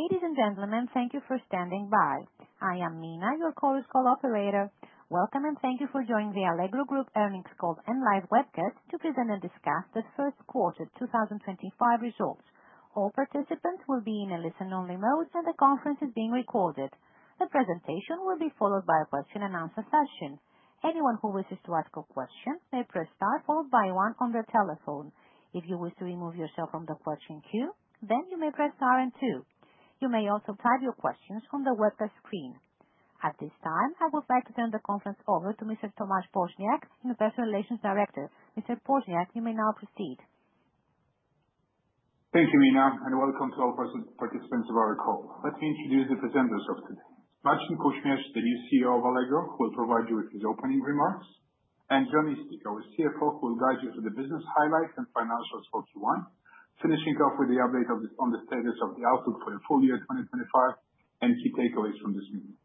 Ladies and gentlemen, thank you for standing by. I am Mina, your call's Operator. Welcome and thank you for joining the Allegro Group earnings call and live webcast to present and discuss the first quarter 2025 results. All participants will be in a listen-only mode, and the conference is being recorded. The presentation will be followed by a question-and-answer session. Anyone who wishes to ask a question may press star followed by one on their telephone. If you wish to remove yourself from the question queue, then you may press star and two. You may also type your questions on the webcast screen. At this time, I would like to turn the conference over to Mr. Tomasz Poźniak, Investor Relations Director. Mr. Poźniak, you may now proceed. Thank you, Mina, and welcome to all participants of our call. Let me introduce the presenters of today: Marcin Kuśmierz, the new CEO of Allegro, who will provide you with his opening remarks, and Jon Eastick, our CFO, who will guide you through the business highlights and financials for Q1, finishing off with the update on the status of the outlook for the full year 2025 and key takeaways from this meeting.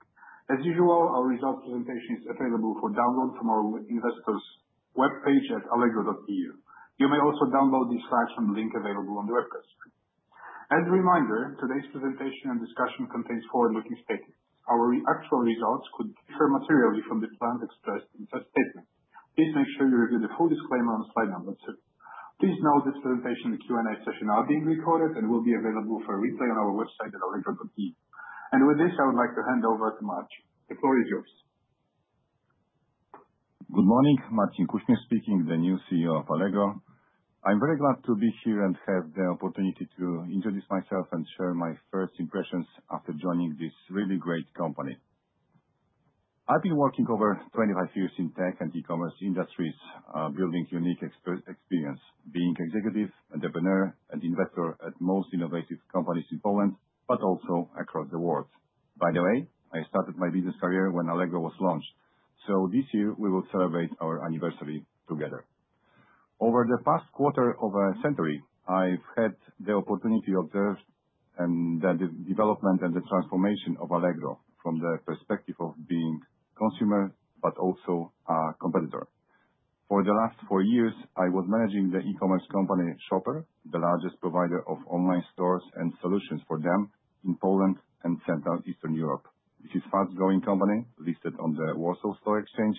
As usual, our results presentation is available for download from our investors' web page at allegro.eu. You may also download these slides from the link available on the webcast screen. As a reminder, today's presentation and discussion contains forward-looking statements. Our actual results could differ materially from the plans expressed in the statement. Please make sure you review the full disclaimer on slide number two. Please note this presentation and Q&A session are being recorded and will be available for replay on our website at allegro.eu. With this, I would like to hand over to Marcin. The floor is yours. Good morning. Marcin Kuśmierz speaking, the new CEO of Allegro. I'm very glad to be here and have the opportunity to introduce myself and share my first impressions after joining this really great company. I've been working over 25 years in tech and e-commerce industries, building unique experience, being an executive, entrepreneur, and investor at most innovative companies in Poland, but also across the world. By the way, I started my business career when Allegro was launched, so this year we will celebrate our anniversary together. Over the past quarter of a century, I've had the opportunity to observe the development and the transformation of Allegro from the perspective of being a consumer, but also a competitor. For the last four years, I was managing the e-commerce company Shoper, the largest provider of online stores and solutions for them in Poland and Central Eastern Europe. This is a fast-growing company listed on the Warsaw Stock Exchange,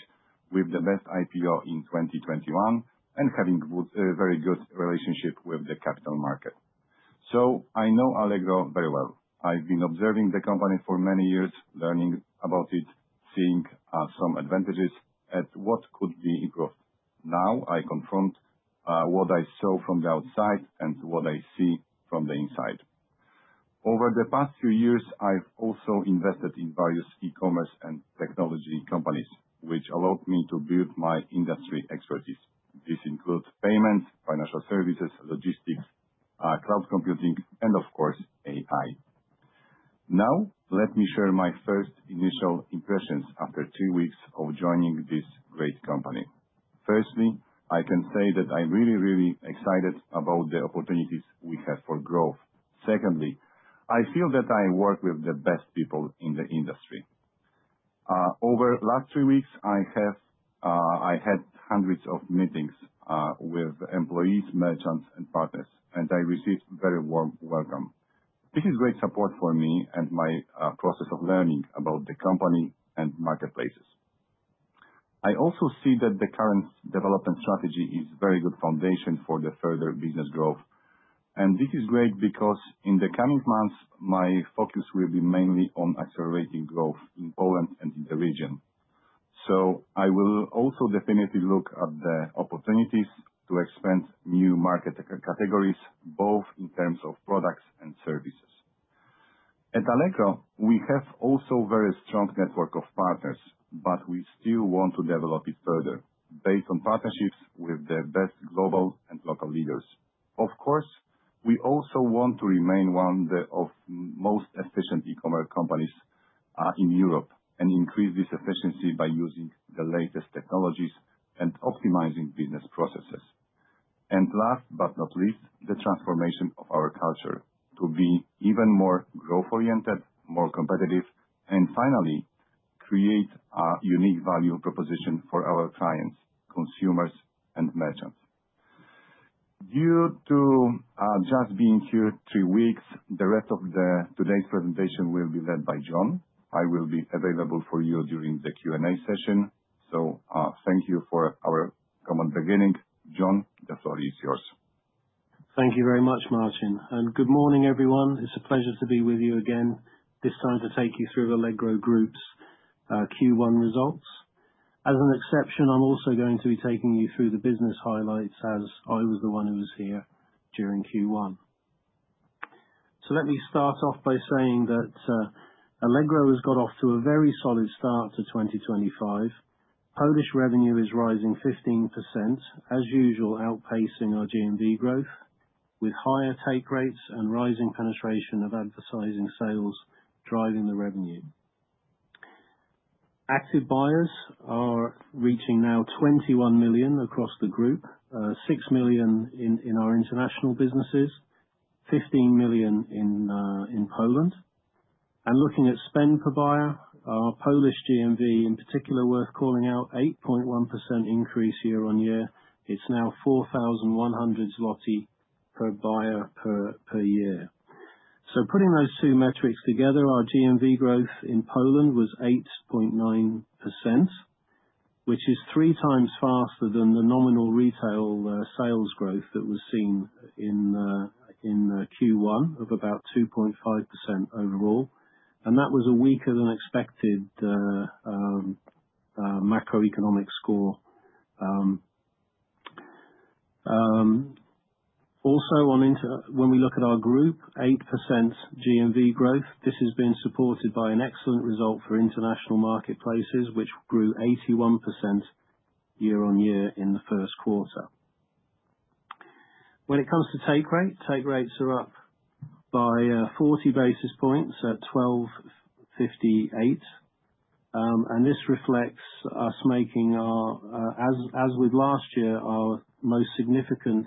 with the best IPO in 2021 and having a very good relationship with the capital market. I know Allegro very well. I've been observing the company for many years, learning about it, seeing some advantages and what could be improved. Now I confront what I saw from the outside and what I see from the inside. Over the past few years, I've also invested in various e-commerce and technology companies, which allowed me to build my industry expertise. This includes payments, financial services, logistics, cloud computing, and of course, AI. Now let me share my first initial impressions after three weeks of joining this great company. Firstly, I can say that I'm really, really excited about the opportunities we have for growth. Secondly, I feel that I work with the best people in the industry. Over the last three weeks, I had hundreds of meetings with employees, merchants, and partners, and I received a very warm welcome. This is great support for me and my process of learning about the company and marketplaces. I also see that the current development strategy is a very good foundation for the further business growth, and this is great because in the coming months, my focus will be mainly on accelerating growth in Poland and in the region. I will also definitely look at the opportunities to expand new market categories, both in terms of products and services. At Allegro, we have also a very strong network of partners, but we still want to develop it further based on partnerships with the best global and local leaders. Of course, we also want to remain one of the most efficient e-commerce companies in Europe and increase this efficiency by using the latest technologies and optimizing business processes. Last but not least, the transformation of our culture to be even more growth-oriented, more competitive, and finally, create a unique value proposition for our clients, consumers, and merchants. Due to just being here three weeks, the rest of today's presentation will be led by Jon. I will be available for you during the Q&A session, so thank you for our common beginning. Jon, the floor is yours. Thank you very much, Maxin. Good morning, everyone. It's a pleasure to be with you again, this time to take you through Allegro Group's Q1 results. As an exception, I'm also going to be taking you through the business highlights as I was the one who was here during Q1. Let me start off by saying that Allegro has got off to a very solid start to 2025. Polish revenue is rising 15%, as usual, outpacing our GMV growth, with higher take rates and rising penetration of advertising sales driving the revenue. Active buyers are reaching now 21 million across the group, 6 million in our international businesses, 15 million in Poland. Looking at spend per buyer, our Polish GMV, in particular, is worth calling out: 8.1% increase year-on-year. It is now 4,100 zloty per buyer per year. Putting those two metrics together, our GMV growth in Poland was 8.9%, which is three times faster than the nominal retail sales growth that was seen in Q1 of about 2.5% overall. That was weaker than expected macroeconomic score. Also, when we look at our group, 8% GMV growth. This has been supported by an excellent result for international marketplaces, which grew 81% year-on-year in the first quarter. When it comes to take rate, take rates are up by 40 basis points at 12.58. This reflects us making, as with last year, our most significant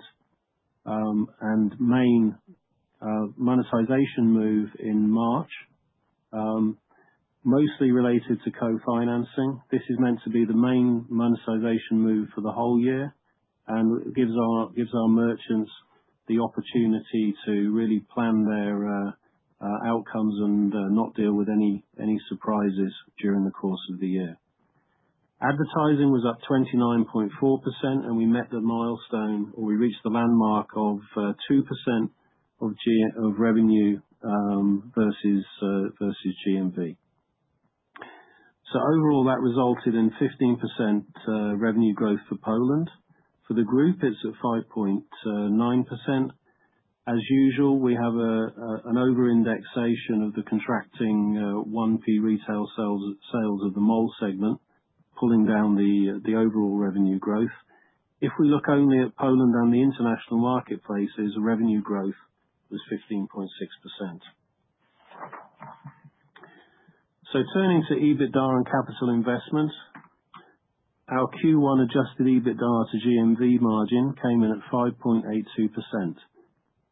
and main monetization move in March, mostly related to co-financing. This is meant to be the main monetization move for the whole year and gives our merchants the opportunity to really plan their outcomes and not deal with any surprises during the course of the year. Advertising was up 29.4%, and we met the milestone, or we reached the landmark of 2% of revenue versus GMV. Overall, that resulted in 15% revenue growth for Poland. For the group, it is at 5.9%. As usual, we have an over-indexation of the contracting 1p retail sales of the mall segment, pulling down the overall revenue growth. If we look only at Poland and the international marketplaces, revenue growth was 15.6%. Turning to EBITDA and capital investment, our Q1 Adjusted EBITDA to GMV margin came in at 5.82%,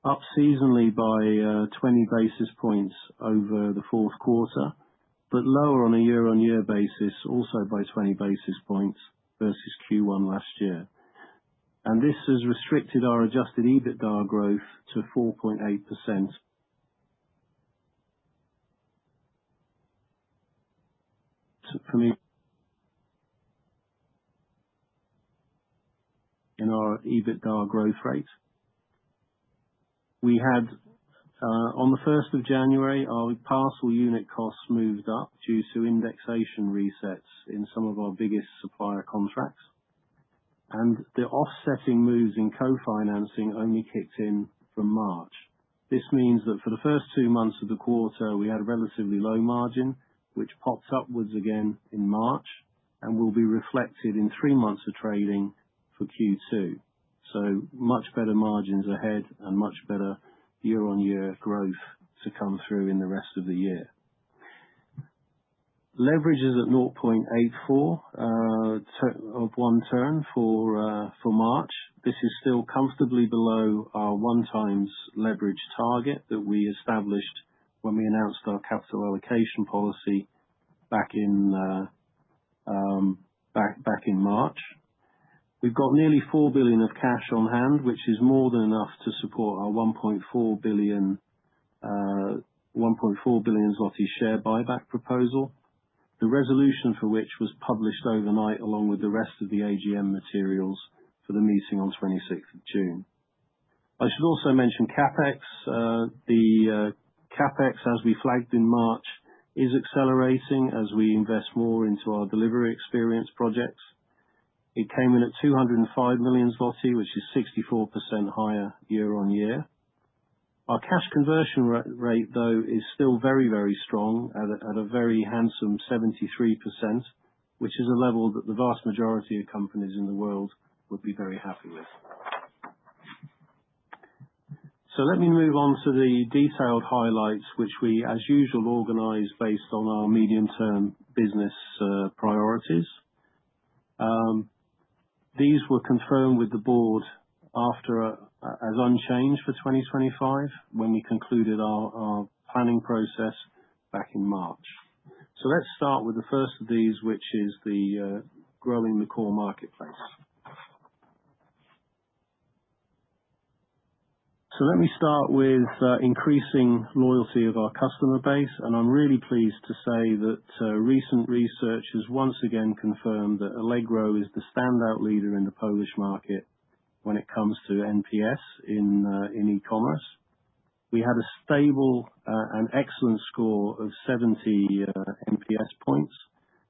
up seasonally by 20 basis points over the fourth quarter, but lower on a year-on-year basis, also by 20 basis points versus Q1 last year. This has restricted our adjusted EBITDA growth to 4.8%. In our EBITDA growth rate, we had, on the 1st of January, our parcel unit costs moved up due to indexation resets in some of our biggest supplier contracts. The offsetting moves in co-financing only kicked in from March. This means that for the first two months of the quarter, we had a relatively low margin, which popped upwards again in March and will be reflected in three months of trading for Q2. Much better margins ahead and much better year-on-year growth to come through in the rest of the year. Leverage is at 0.84 of one turn for March. This is still comfortably below our one-time leverage target that we established when we announced our capital allocation policy back in March. We've got nearly 4 billion of cash on hand, which is more than enough to support our 1.4 billion share buyback proposal, the resolution for which was published overnight along with the rest of the AGM materials for the meeting on the 26th of June. I should also mention CapEx. The CapEx, as we flagged in March, is accelerating as we invest more into our delivery experience projects. It came in at 205 million zloty, which is 64% higher year-on-year. Our cash conversion rate, though, is still very, very strong at a very handsome 73%, which is a level that the vast majority of companies in the world would be very happy with. Let me move on to the detailed highlights, which we, as usual, organize based on our medium-term business priorities. These were confirmed with the board as unchanged for 2025 when we concluded our planning process back in March. Let's start with the first of these, which is growing the core marketplace. Let me start with increasing loyalty of our customer base. I'm really pleased to say that recent research has once again confirmed that Allegro is the standout leader in the Polish market when it comes to NPS in e-commerce. We had a stable and excellent score of 70 NPS points,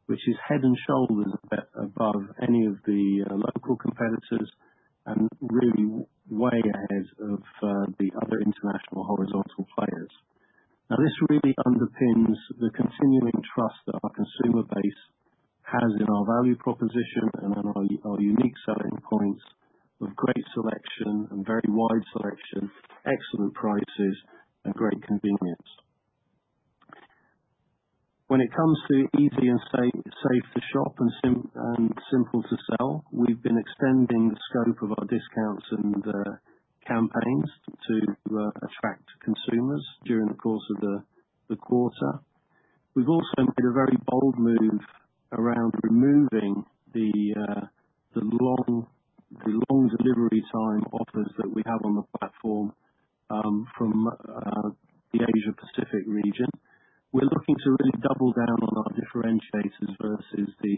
which is head and shoulders above any of the local competitors and really way ahead of the other international horizontal players. This really underpins the continuing trust that our consumer base has in our value proposition and our unique selling points of great selection and very wide selection, excellent prices, and great convenience. When it comes to easy and safe to shop and simple to sell, we've been extending the scope of our discounts and campaigns to attract consumers during the course of the quarter. We've also made a very bold move around removing the long delivery time offers that we have on the platform from the Asia-Pacific region. We're looking to really double down on our differentiators versus the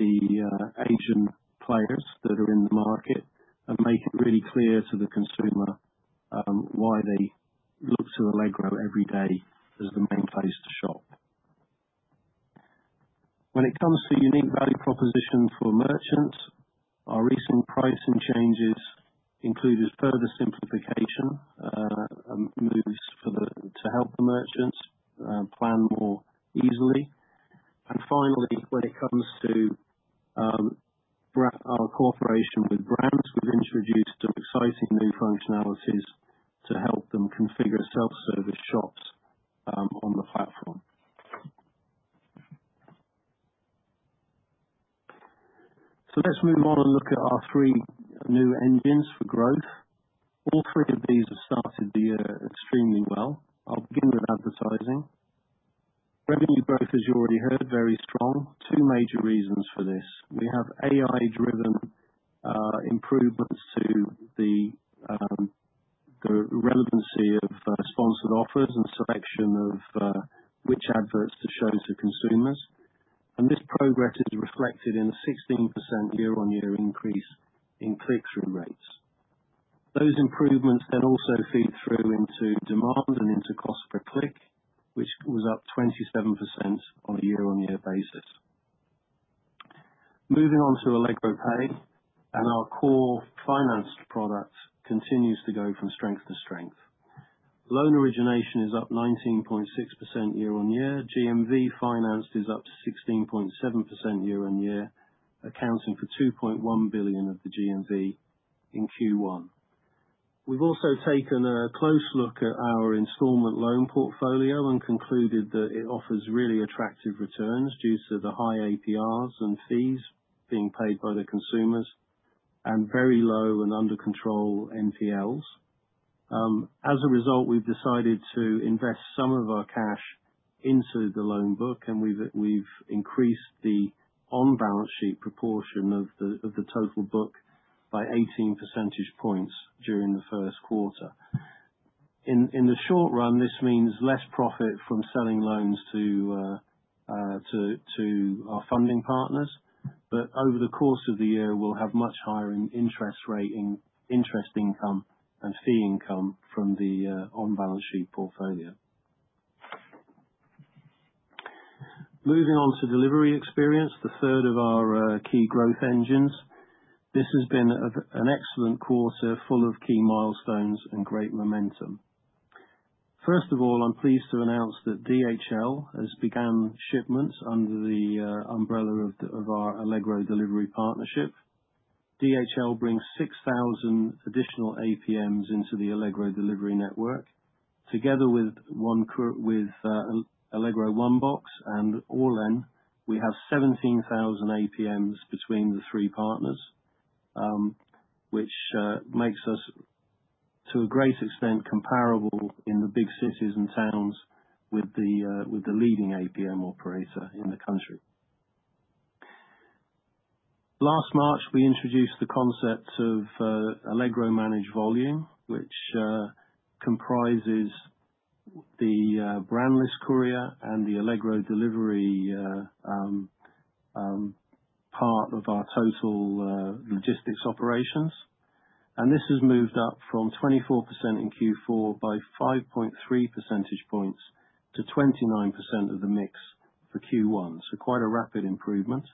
Asian players that are in the market and make it really clear to the consumer why they look to Allegro every day as the main place to shop. When it comes to unique value proposition for merchants, our recent pricing changes included further simplification moves to help the merchants plan more easily. Finally, when it comes to our cooperation with brands, we've introduced some exciting new functionalities to help them configure self-service shops on the platform. Let's move on and look at our three new engines for growth. All three of these have started the year extremely well. I'll begin with advertising. Revenue growth, as you already heard, is very strong. Two major reasons for this. We have AI-driven improvements to the relevancy of sponsored offers and selection of which adverts to show to consumers. This progress is reflected in a 16% year-on-year increase in click-through rates. Those improvements then also feed through into demand and into cost per click, which was up 27% on a year-on-year basis. Moving on to Allegro Pay, our core financed product continues to go from strength to strength. Loan origination is up 19.6% year-on-year. GMV financed is up to 16.7% year-on-year, accounting for 2.1 billion of the GMV in Q1. We've also taken a close look at our installment loan portfolio and concluded that it offers really attractive returns due to the high APRs and fees being paid by the consumers and very low and under-controlled NPLs. As a result, we've decided to invest some of our cash into the loan book, and we've increased the on-balance sheet proportion of the total book by 18 percentage points during the first quarter. In the short run, this means less profit from selling loans to our funding partners, but over the course of the year, we'll have much higher interest income and fee income from the on-balance sheet portfolio. Moving on to delivery experience, the third of our key growth engines. This has been an excellent quarter full of key milestones and great momentum. First of all, I'm pleased to announce that DHL has begun shipments under the umbrella of our Allegro Delivery Partnership. DHL brings 6,000 additional APMs into the Allegro Delivery Network. Together with Allegro OneBox and Orlen, we have 17,000 APMs between the three partners, which makes us, to a great extent, comparable in the big cities and towns with the leading APM operator in the country. Last March, we introduced the concept of Allegro Managed Volume, which comprises the brandless courier and the Allegro Delivery part of our total logistics operations. This has moved up from 24% in Q4 by 5.3 percentage points to 29% of the mix for Q1, quite a rapid improvement.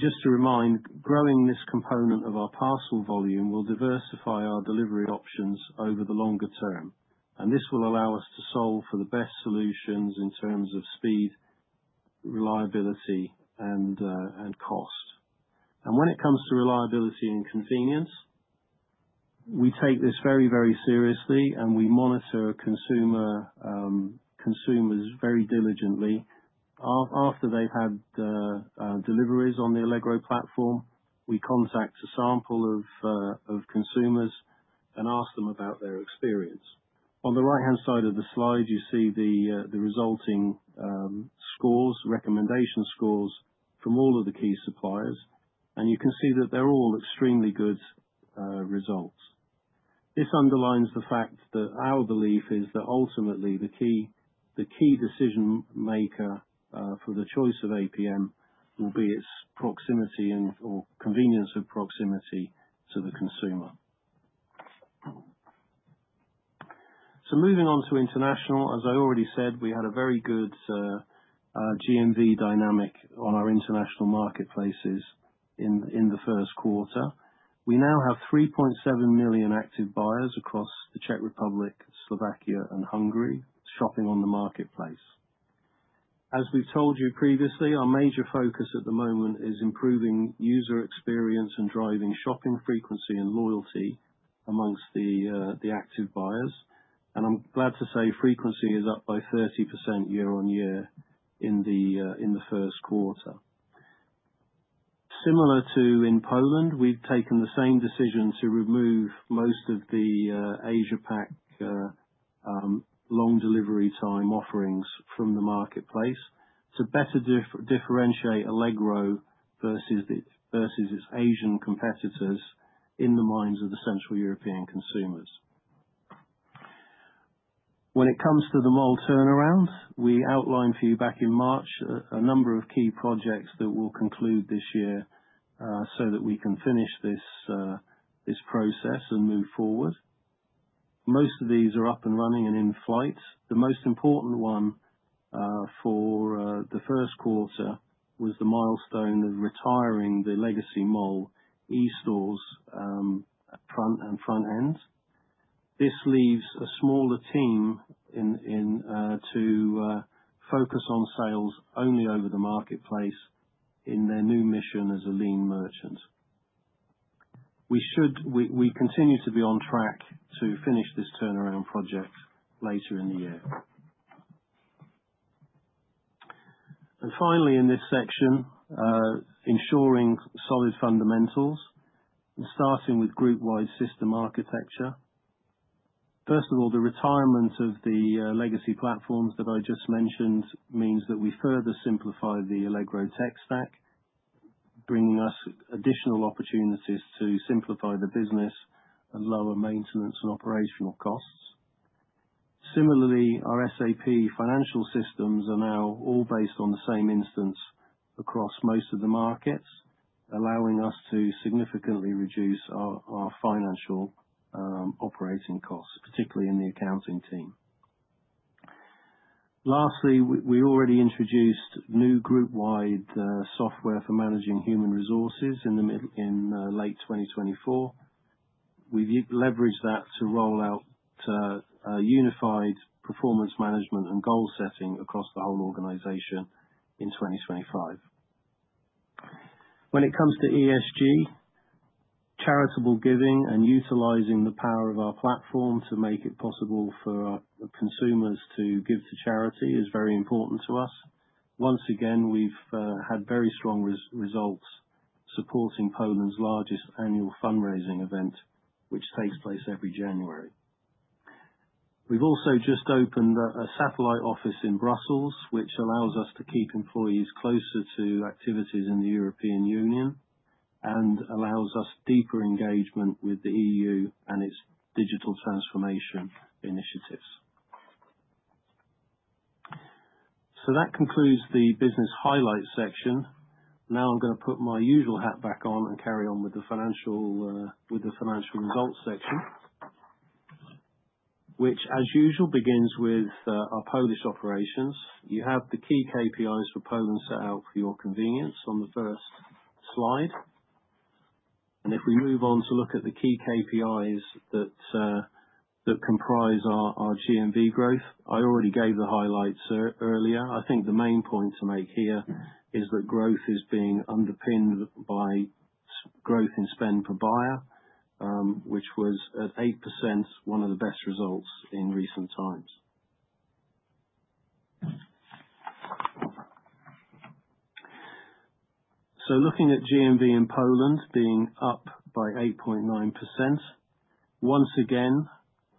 Just to remind, growing this component of our parcel volume will diversify our delivery options over the longer term. This will allow us to solve for the best solutions in terms of speed, reliability, and cost. When it comes to reliability and convenience, we take this very, very seriously, and we monitor consumers very diligently. After they have had deliveries on the Allegro platform, we contact a sample of consumers and ask them about their experience. On the right-hand side of the slide, you see the resulting scores, recommendation scores from all of the key suppliers. You can see that they are all extremely good results. This underlines the fact that our belief is that ultimately, the key decision maker for the choice of APM will be its proximity and/or convenience of proximity to the consumer. Moving on to international, as I already said, we had a very good GMV dynamic on our international marketplaces in the first quarter. We now have 3.7 million active buyers across the Czech Republic, Slovakia, and Hungary shopping on the marketplace. As we've told you previously, our major focus at the moment is improving user experience and driving shopping frequency and loyalty amongst the active buyers. I'm glad to say frequency is up by 30% year-on-year in the first quarter. Similar to in Poland, we've taken the same decision to remove most of the Asia-Pac long delivery time offerings from the marketplace to better differentiate Allegro versus its Asian competitors in the minds of the Central European consumers. When it comes to the mall turnaround, we outlined for you back in March a number of key projects that will conclude this year so that we can finish this process and move forward. Most of these are up and running and in flight. The most important one for the first quarter was the milestone of retiring the legacy mall e-stores and front ends. This leaves a smaller team to focus on sales only over the marketplace in their new mission as a lean merchant. We continue to be on track to finish this turnaround project later in the year. Finally, in this section, ensuring solid fundamentals and starting with group-wide system architecture. First of all, the retirement of the legacy platforms that I just mentioned means that we further simplify the Allegro tech stack, bringing us additional opportunities to simplify the business and lower maintenance and operational costs. Similarly, our SAP financial systems are now all based on the same instance across most of the markets, allowing us to significantly reduce our financial operating costs, particularly in the accounting team. Lastly, we already introduced new group-wide software for managing human resources in late 2024. We've leveraged that to roll out unified performance management and goal setting across the whole organization in 2025. When it comes to ESG, charitable giving and utilizing the power of our platform to make it possible for consumers to give to charity is very important to us. Once again, we've had very strong results supporting Poland's largest annual fundraising event, which takes place every January. We've also just opened a satellite office in Brussels, which allows us to keep employees closer to activities in the European Union and allows us deeper engagement with the EU and its digital transformation initiatives. That concludes the business highlight section. Now I'm going to put my usual hat back on and carry on with the financial results section, which, as usual, begins with our Polish operations. You have the key KPIs for Poland set out for your convenience on the first slide. If we move on to look at the key KPIs that comprise our GMV growth, I already gave the highlights earlier. I think the main point to make here is that growth is being underpinned by growth in spend per buyer, which was at 8%, one of the best results in recent times. Looking at GMV in Poland being up by 8.9%, once again,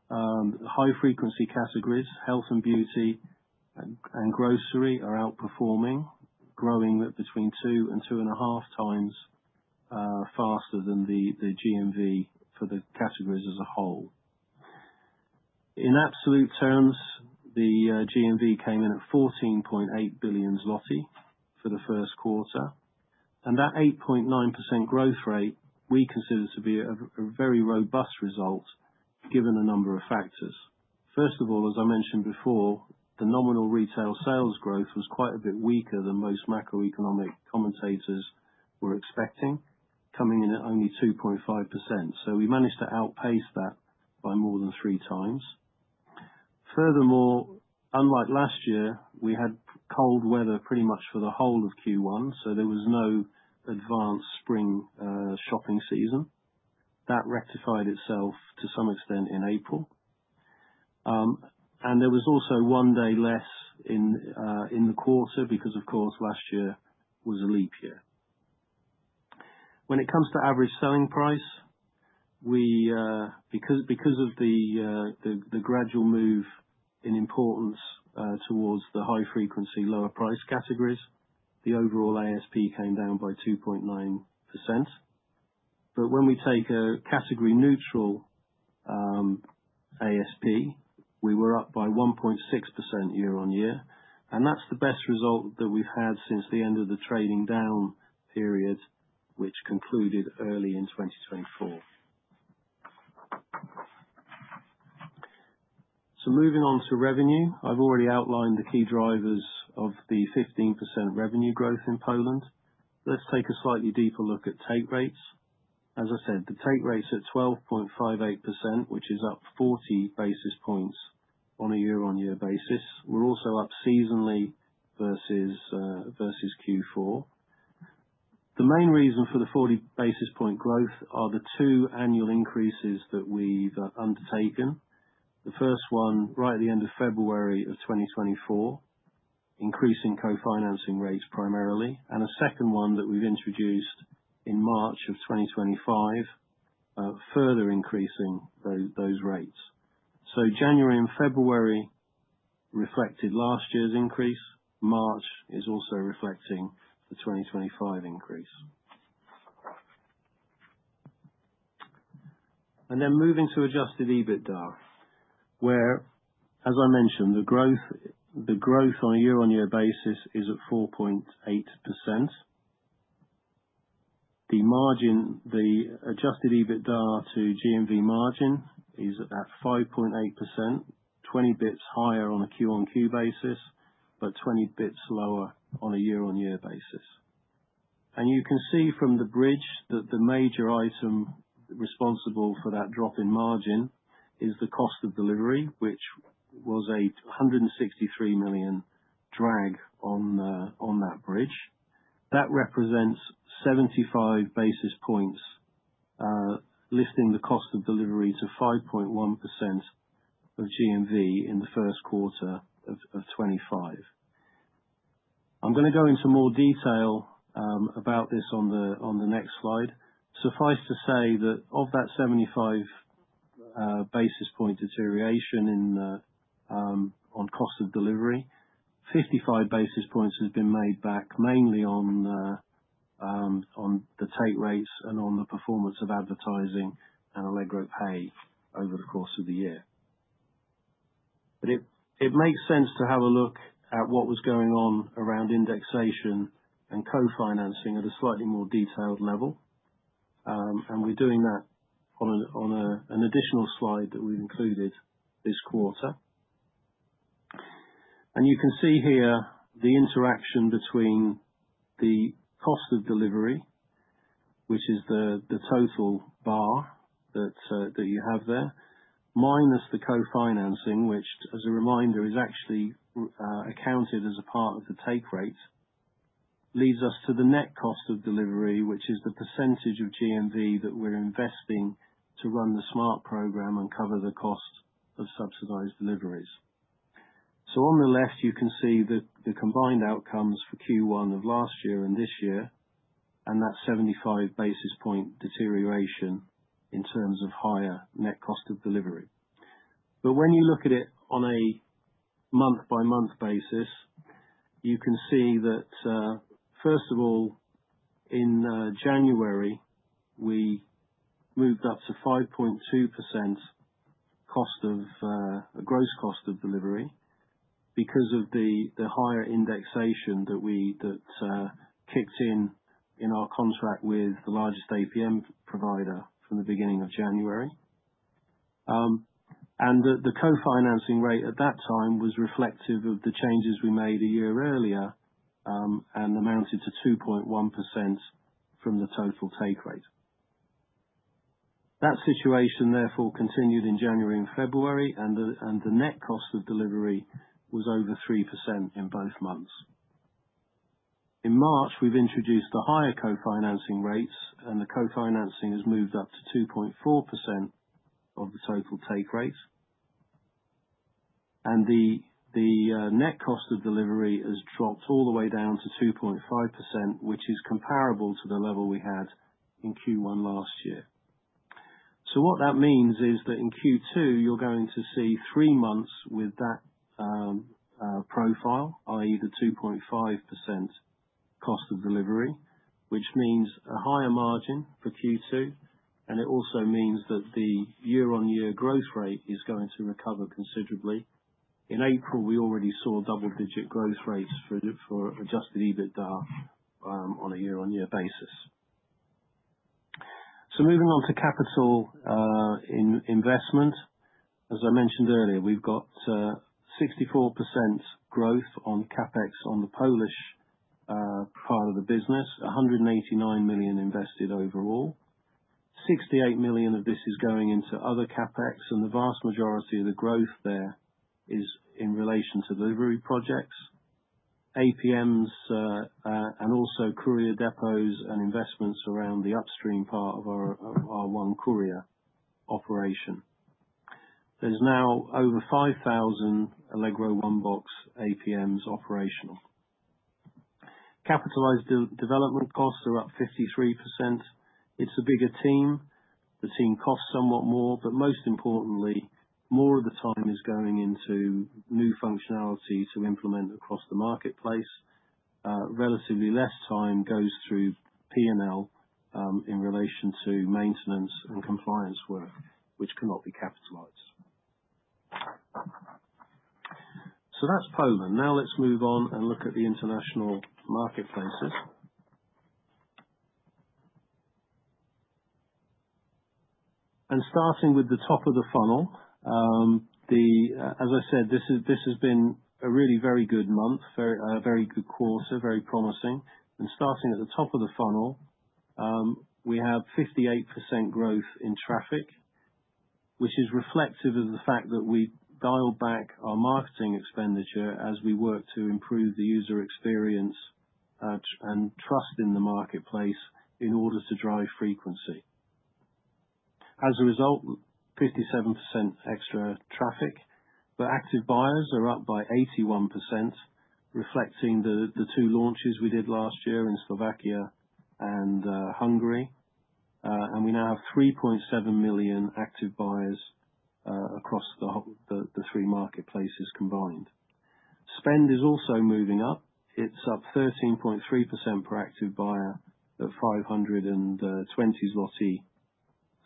high-frequency categories, health and beauty, and grocery are outperforming, growing between two and two and a half times faster than the GMV for the categories as a whole. In absolute terms, the GMV came in at 14.8 billion for the first quarter. That 8.9% growth rate we consider to be a very robust result given a number of factors. First of all, as I mentioned before, the nominal retail sales growth was quite a bit weaker than most macroeconomic commentators were expecting, coming in at only 2.5%. We managed to outpace that by more than three times. Furthermore, unlike last year, we had cold weather pretty much for the whole of Q1, so there was no advanced spring shopping season. That rectified itself to some extent in April. There was also one day less in the quarter because, of course, last year was a leap year. When it comes to average selling price, because of the gradual move in importance towards the high-frequency, lower-priced categories, the overall ASP came down by 2.9%. When we take a category-neutral ASP, we were up by 1.6% year-on-year. That is the best result that we have had since the end of the trading down period, which concluded early in 2024. Moving on to revenue, I've already outlined the key drivers of the 15% revenue growth in Poland. Let's take a slightly deeper look at take rates. As I said, the take rate's at 12.58%, which is up 40 basis points on a year-on-year basis. We're also up seasonally versus Q4. The main reason for the 40 basis point growth are the two annual increases that we've undertaken. The first one, right at the end of February of 2024, increasing co-financing rates primarily. And a second one that we've introduced in March of 2025, further increasing those rates. January and February reflected last year's increase. March is also reflecting the 2025 increase. Moving to adjusted EBITDA, where, as I mentioned, the growth on a year-on-year basis is at 4.8%. The adjusted EBITDA to GMV margin is at 5.8%, 20 basis points higher on a Q on Q basis, but 20 bips lower on a year-on-year basis. You can see from the bridge that the major item responsible for that drop in margin is the cost of delivery, which was a 163 million drag on that bridge. That represents 75 basis points, lifting the cost of delivery to 5.1% of GMV in the first quarter of 2025. I am going to go into more detail about this on the next slide. Suffice to say that of that 75 basis point deterioration on cost of delivery, 55 basis points has been made back mainly on the take rates and on the performance of advertising and Allegro Pay over the course of the year. It makes sense to have a look at what was going on around indexation and co-financing at a slightly more detailed level. We are doing that on an additional slide that we have included this quarter. You can see here the interaction between the cost of delivery, which is the total bar that you have there, minus the co-financing, which, as a reminder, is actually accounted as a part of the take rate, leads us to the net cost of delivery, which is the percentage of GMV that we are investing to run the Smart program and cover the cost of subsidized deliveries. On the left, you can see the combined outcomes for Q1 of last year and this year, and that 75 basis point deterioration in terms of higher net cost of delivery. When you look at it on a month-by-month basis, you can see that, first of all, in January, we moved up to 5.2% gross cost of delivery because of the higher indexation that kicked in in our contract with the largest APM provider from the beginning of January. The co-financing rate at that time was reflective of the changes we made a year earlier and amounted to 2.1% from the total take rate. That situation, therefore, continued in January and February, and the net cost of delivery was over 3% in both months. In March, we have introduced the higher co-financing rates, and the co-financing has moved up to 2.4% of the total take rate. The net cost of delivery has dropped all the way down to 2.5%, which is comparable to the level we had in Q1 last year. What that means is that in Q2, you're going to see three months with that profile, i.e., the 2.5% cost of delivery, which means a higher margin for Q2. It also means that the year-on-year growth rate is going to recover considerably. In April, we already saw double-digit growth rates for Adjusted EBITDA on a year-on-year basis. Moving on to capital investment. As I mentioned earlier, we've got 64% growth on CapEx on the Polish part of the business, 189 million invested overall. 68 million of this is going into other CapEx, and the vast majority of the growth there is in relation to delivery projects, APMs, and also courier depots and investments around the upstream part of our one courier operation. There are now over 5,000 Allegro OneBox APMs operational. Capitalized development costs are up 53%. It's a bigger team. The team costs somewhat more, but most importantly, more of the time is going into new functionalities to implement across the marketplace. Relatively less time goes through P&L in relation to maintenance and compliance work, which cannot be capitalized. That is Poland. Now let's move on and look at the international marketplaces. Starting with the top of the funnel, as I said, this has been a really very good month, a very good quarter, very promising. Starting at the top of the funnel, we have 58% growth in traffic, which is reflective of the fact that we dialed back our marketing expenditure as we work to improve the user experience and trust in the marketplace in order to drive frequency. As a result, 57% extra traffic. Active buyers are up by 81%, reflecting the two launches we did last year in Slovakia and Hungary. We now have 3.7 million active buyers across the three marketplaces combined. Spend is also moving up. It is up 13.3% per active buyer at 520 zloty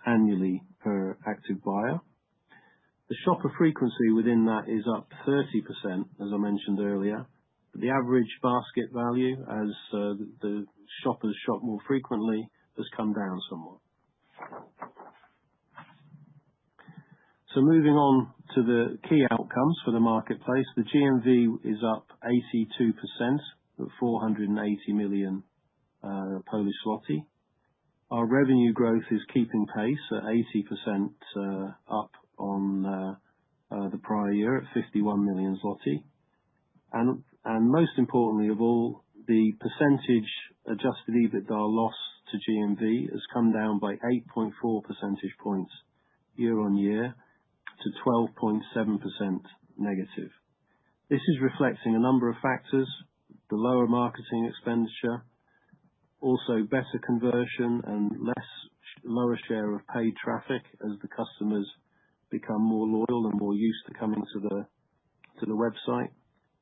annually per active buyer. The shopper frequency within that is up 30%, as I mentioned earlier. The average basket value, as the shoppers shop more frequently, has come down somewhat. Moving on to the key outcomes for the marketplace, the GMV is up 82% at 480 million Polish zloty. Our revenue growth is keeping pace at 80% up on the prior year at 51 million zloty. Most importantly of all, the percentage adjusted EBITDA lost to GMV has come down by 8.4 percentage points year-on-year to 12.7% negative. This is reflecting a number of factors: the lower marketing expenditure, also better conversion, and lower share of paid traffic as the customers become more loyal and more used to coming to the website.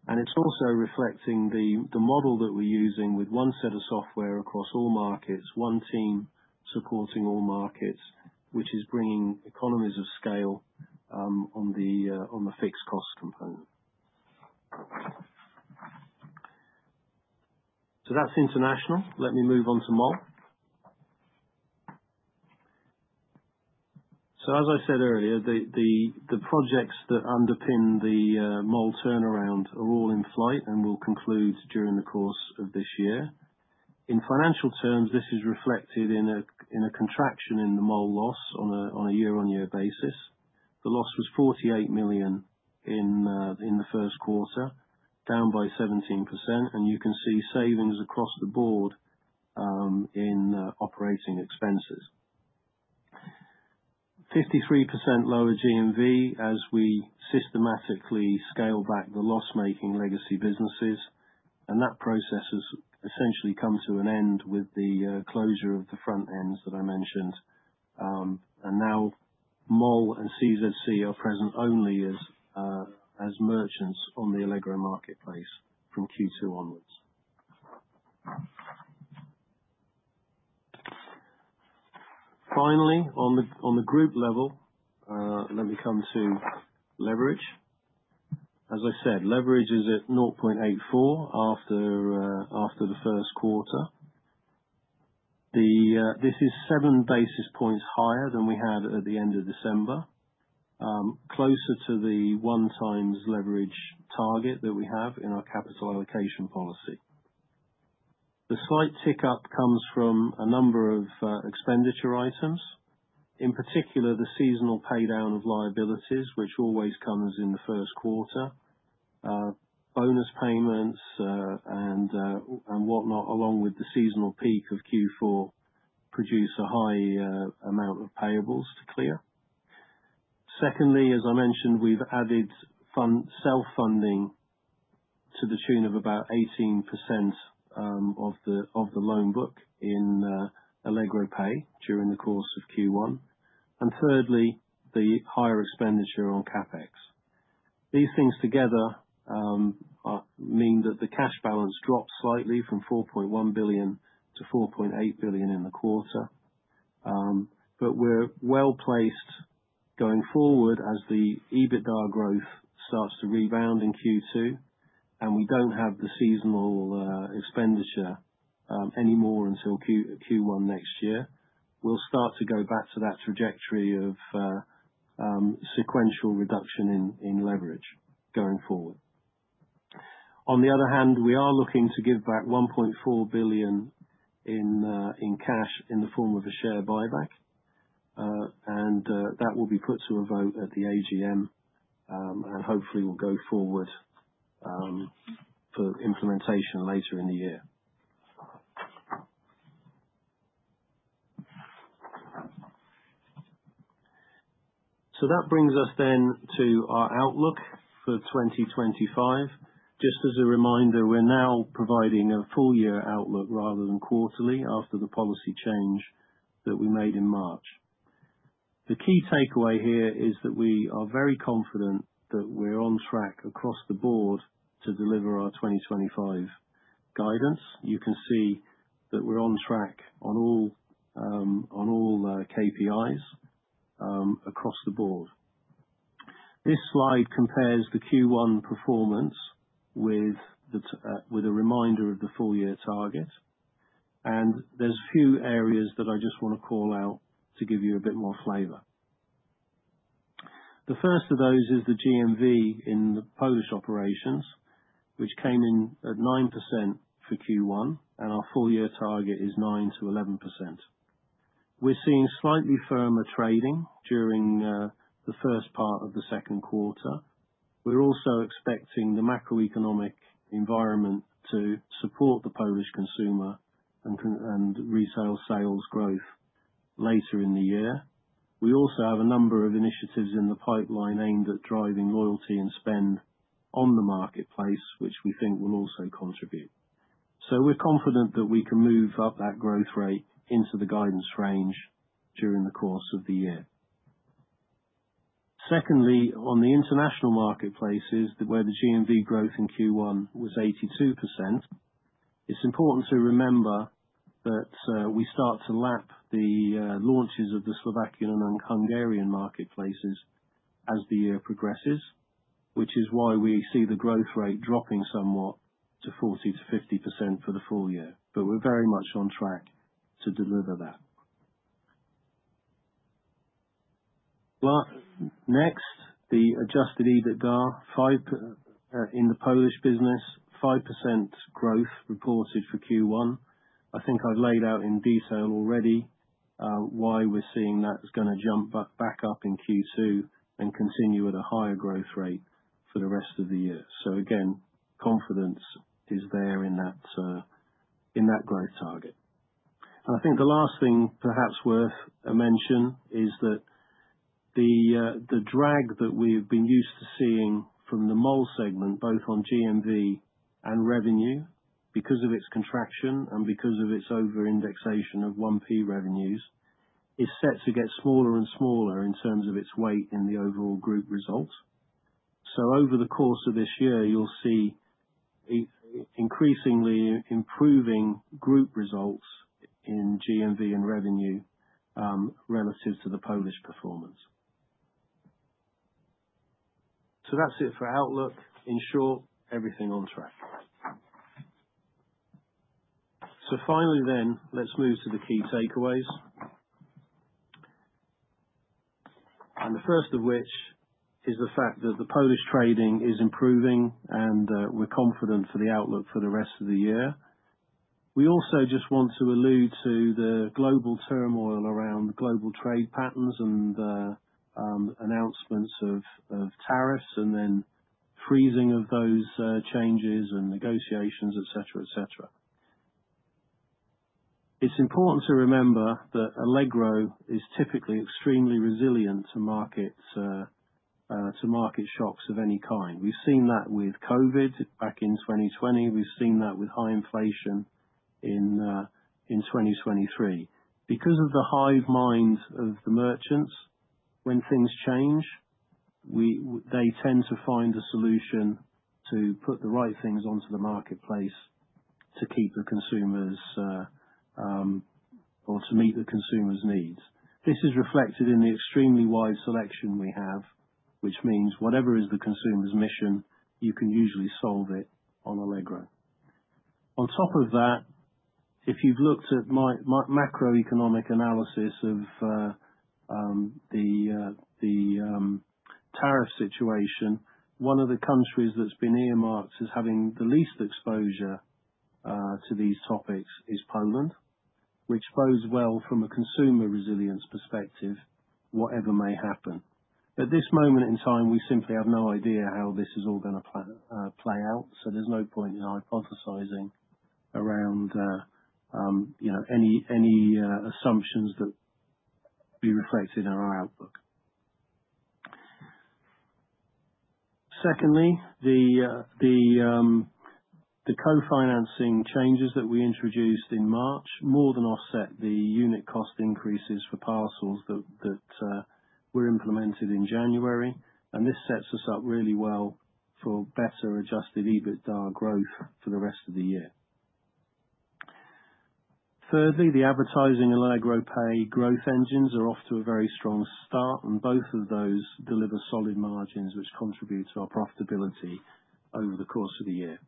It is also reflecting the model that we are using with one set of software across all markets, one team supporting all markets, which is bringing economies of scale on the fixed cost component. That is international. Let me move on to mobile. As I said earlier, the projects that underpin the mobile turnaround are all in flight and will conclude during the course of this year. In financial terms, this is reflected in a contraction in the mobile loss on a year-on-year basis. The loss was 48 million in the first quarter, down by 17%. You can see savings across the board in operating expenses. 53% lower GMV as we systematically scale back the loss-making legacy businesses. That process has essentially come to an end with the closure of the front ends that I mentioned. Now mobile and CZC are present only as merchants on the Allegro marketplace from Q2 onwards. Finally, on the group level, let me come to leverage. As I said, leverage is at 0.84 after the first quarter. This is 7 basis points higher than we had at the end of December, closer to the one-time leverage target that we have in our capital allocation policy. The slight tick up comes from a number of expenditure items, in particular the seasonal paydown of liabilities, which always comes in the first quarter. Bonus payments and whatnot, along with the seasonal peak of Q4, produce a high amount of payables to clear. Secondly, as I mentioned, we've added self-funding to the tune of about 18% of the loan book in Allegro Pay during the course of Q1. Thirdly, the higher expenditure on CapEx. These things together mean that the cash balance drops slightly from 4.1 billion to 4.8 billion in the quarter. We're well placed going forward as the EBITDA growth starts to rebound in Q2, and we don't have the seasonal expenditure anymore until Q1 next year. We'll start to go back to that trajectory of sequential reduction in leverage going forward. On the other hand, we are looking to give back 1.4 billion in cash in the form of a share buyback. That will be put to a vote at the AGM, and hopefully, we'll go forward for implementation later in the year. That brings us then to our outlook for 2025. Just as a reminder, we're now providing a full-year outlook rather than quarterly after the policy change that we made in March. The key takeaway here is that we are very confident that we're on track across the board to deliver our 2025 guidance. You can see that we're on track on all KPIs across the board. This slide compares the Q1 performance with a reminder of the full-year target. There are a few areas that I just want to call out to give you a bit more flavor. The first of those is the GMV in the Polish operations, which came in at 9% for Q1, and our full-year target is 9%-11%. We're seeing slightly firmer trading during the first part of the second quarter. We're also expecting the macroeconomic environment to support the Polish consumer and retail sales growth later in the year. We also have a number of initiatives in the pipeline aimed at driving loyalty and spend on the marketplace, which we think will also contribute. We are confident that we can move up that growth rate into the guidance range during the course of the year. Secondly, on the international marketplaces, where the GMV growth in Q1 was 82%, it is important to remember that we start to lap the launches of the Slovakian and Hungarian marketplaces as the year progresses, which is why we see the growth rate dropping somewhat to 40%-50% for the full year. We are very much on track to deliver that. Next, the Ajusted EBITDA in the Polish business, 5% growth reported for Q1. I think I've laid out in detail already why we're seeing that's going to jump back up in Q2 and continue at a higher growth rate for the rest of the year. Again, confidence is there in that growth target. I think the last thing perhaps worth a mention is that the drag that we've been used to seeing from the mobile segment, both on GMV and revenue, because of its contraction and because of its over-indexation of one-p revenues, is set to get smaller and smaller in terms of its weight in the overall group results. Over the course of this year, you'll see increasingly improving group results in GMV and revenue relative to the Polish performance. That's it for outlook. In short, everything on track. Finally, let's move to the key takeaways. The first of which is the fact that the Polish trading is improving, and we're confident for the outlook for the rest of the year. We also just want to allude to the global turmoil around global trade patterns and announcements of tariffs and then freezing of those changes and negotiations, etc., etc. It's important to remember that Allegro is typically extremely resilient to market shocks of any kind. We've seen that with COVID back in 2020. We've seen that with high inflation in 2023. Because of the hive mind of the merchants, when things change, they tend to find a solution to put the right things onto the marketplace to keep the consumers or to meet the consumers' needs. This is reflected in the extremely wide selection we have, which means whatever is the consumer's mission, you can usually solve it on Allegro. On top of that, if you've looked at macroeconomic analysis of the tariff situation, one of the countries that's been earmarked as having the least exposure to these topics is Poland, which bodes well from a consumer resilience perspective, whatever may happen. At this moment in time, we simply have no idea how this is all going to play out. There is no point in hypothesizing around any assumptions that be reflected in our outlook. Secondly, the co-financing changes that we introduced in March more than offset the unit cost increases for parcels that were implemented in January. This sets us up really well for better Adjusted EBITDA growth for the rest of the year. Thirdly, the advertising Allegro Pay growth engines are off to a very strong start, and both of those deliver solid margins, which contribute to our profitability over the course of the year.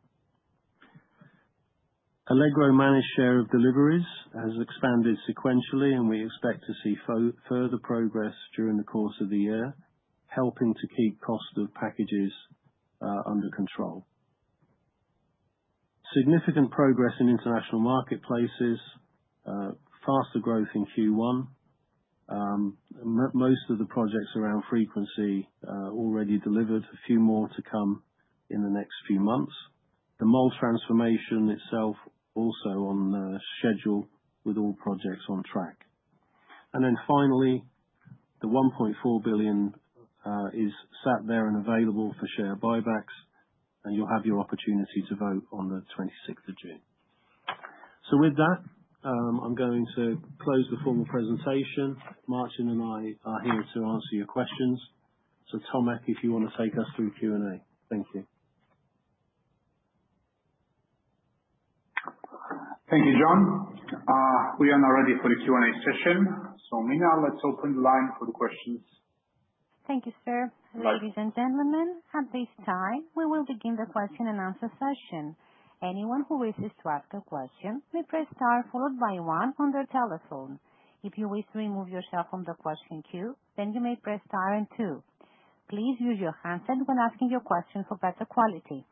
Allegro managed share of deliveries has expanded sequentially, and we expect to see further progress during the course of the year, helping to keep cost of packages under control. Significant progress in international marketplaces, faster growth in Q1. Most of the projects around frequency already delivered, a few more to come in the next few months. The mobile transformation itself also on schedule with all projects on track. Finally, the 1.4 billion is sat there and available for share buybacks, and you will have your opportunity to vote on the 26th of June. With that, I am going to close the formal presentation. Marcin and I are here to answer your questions. Tomasz, if you want to take us through Q&A. Thank you. Thank you, Jon. We are now ready for the Q&A session. Mina, let's open the line for the questions. Thank you, sir. Ladies and gentlemen, at this time, we will begin the question-and-answer session. Anyone who wishes to ask a question may press star followed by one on their telephone. If you wish to remove yourself from the question queue, then you may press star and two. Please use your hands when asking your question for better quality.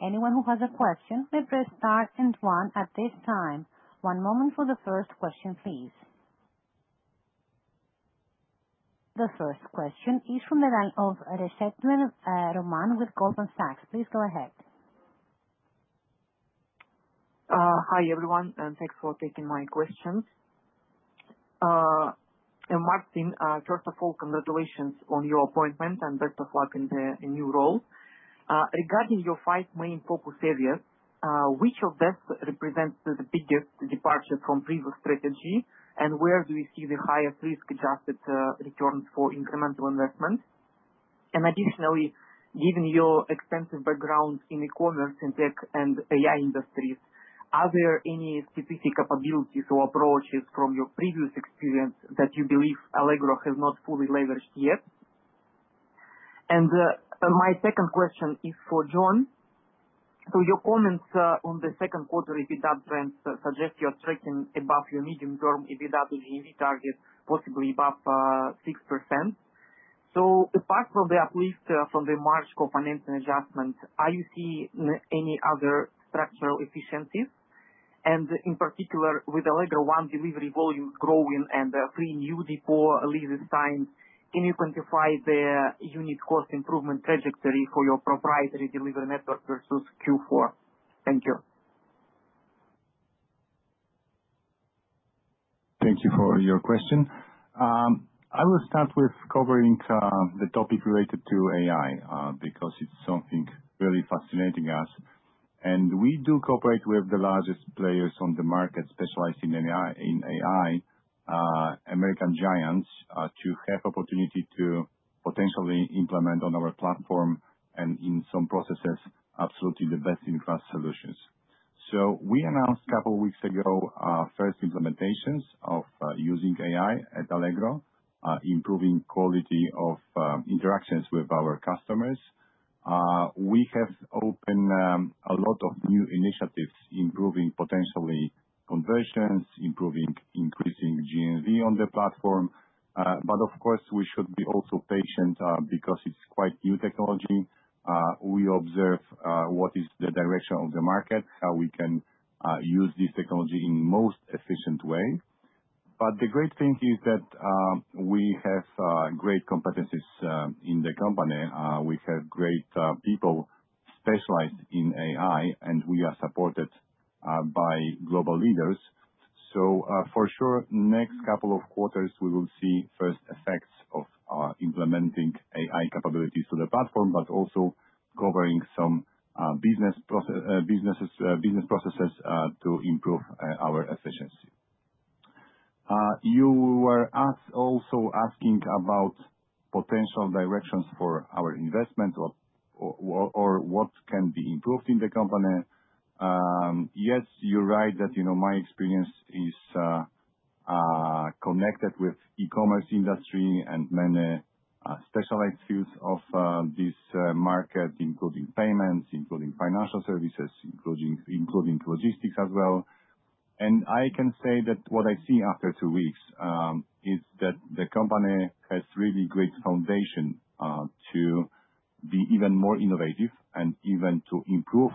Anyone who has a question may press star and one at this time. One moment for the first question, please. The first question is from the line of Reshetnev Roman with Goldman Sachs. Please go ahead. Hi, everyone, and thanks for taking my question. Marcin, first of all, congratulations on your appointment and best of luck in the new role. Regarding your five main focus areas, which of these represents the biggest departure from previous strategy, and where do you see the highest risk-adjusted returns for incremental investment? Additionally, given your extensive background in e-commerce and tech and AI industries, are there any specific capabilities or approaches from your previous experience that you believe Allegro has not fully leveraged yet? My second question is for Jon. Your comments on the second quarter EBITDA trends suggest you are tracking above your medium-term EBITDA to GMV target, possibly above 6%. Apart from the uplift from the March co-financing adjustment, are you seeing any other structural efficiencies? In particular, with Allegro One delivery volumes growing and three new depot leases signed, can you quantify the unit cost improvement trajectory for your proprietary delivery network versus Q4? Thank you. Thank you for your question. I will start with covering the topic related to AI because it's something really fascinating to us. We do cooperate with the largest players on the market specialized in AI, American giants, to have the opportunity to potentially implement on our platform and in some processes absolutely the best-in-class solutions. We announced a couple of weeks ago our first implementations of using AI at Allegro, improving quality of interactions with our customers. We have opened a lot of new initiatives, improving potentially conversions, improving increasing GMV on the platform. Of course, we should be also patient because it's quite new technology. We observe what is the direction of the market, how we can use this technology in the most efficient way. The great thing is that we have great competencies in the company. We have great people specialized in AI, and we are supported by global leaders. For sure, next couple of quarters, we will see first effects of implementing AI capabilities to the platform, but also covering some business processes to improve our efficiency. You were also asking about potential directions for our investment or what can be improved in the company. Yes, you're right that my experience is connected with the e-commerce industry and many specialized fields of this market, including payments, including financial services, including logistics as well. I can say that what I see after two weeks is that the company has really great foundation to be even more innovative and even to improve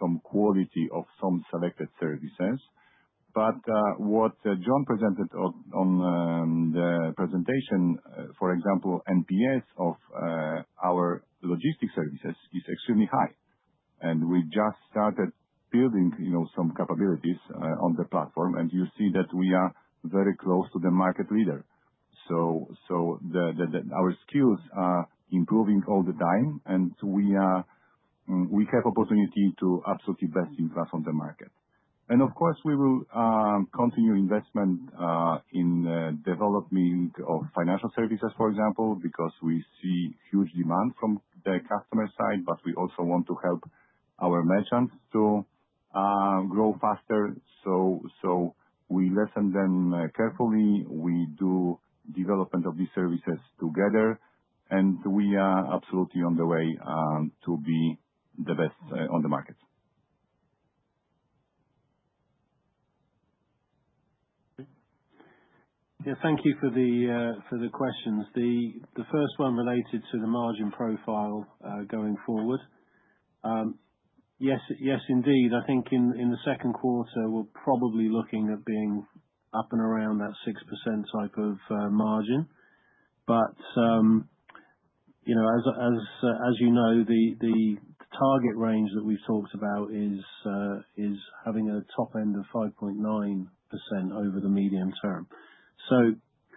some quality of some selected services. What Jon presented on the presentation, for example, NPS of our logistics services is extremely high. We just started building some capabilities on the platform, and you see that we are very close to the market leader. Our skills are improving all the time, and we have the opportunity to be absolutely best in class on the market. Of course, we will continue investment in the development of financial services, for example, because we see huge demand from the customer side, but we also want to help our merchants to grow faster. We listen to them carefully. We do development of these services together, and we are absolutely on the way to be the best on the market. Yeah, thank you for the questions. The first one related to the margin profile going forward. Yes, indeed. I think in the second quarter, we're probably looking at being up and around that 6% type of margin. As you know, the target range that we've talked about is having a top end of 5.9% over the medium term.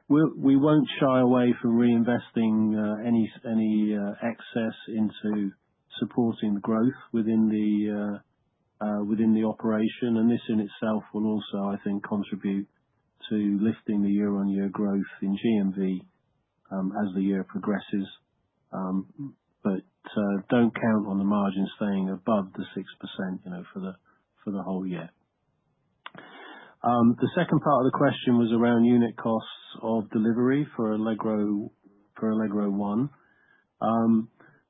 We won't shy away from reinvesting any excess into supporting growth within the operation. This in itself will also, I think, contribute to lifting the year-on-year growth in GMV as the year progresses. Don't count on the margin staying above the 6% for the whole year. The second part of the question was around unit costs of delivery for Allegro One.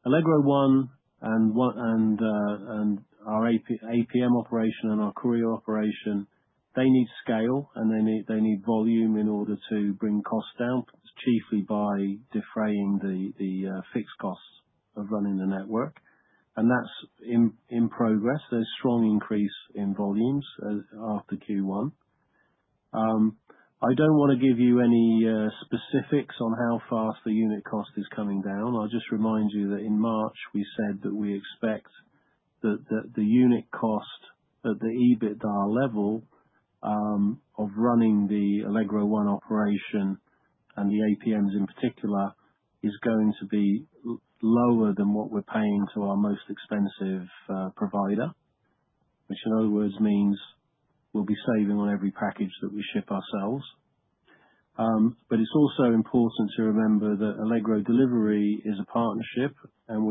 Allegro One and our APM operation and our courier operation, they need scale, and they need volume in order to bring costs down, chiefly by defraying the fixed costs of running the network. That is in progress. There is a strong increase in volumes after Q1. I do not want to give you any specifics on how fast the unit cost is coming down. I will just remind you that in March, we said that we expect that the unit cost at the EBITDA level of running the Allegro One operation and the APMs in particular is going to be lower than what we are paying to our most expensive provider, which in other words means we will be saving on every package that we ship ourselves. It is also important to remember that Allegro Delivery is a partnership, and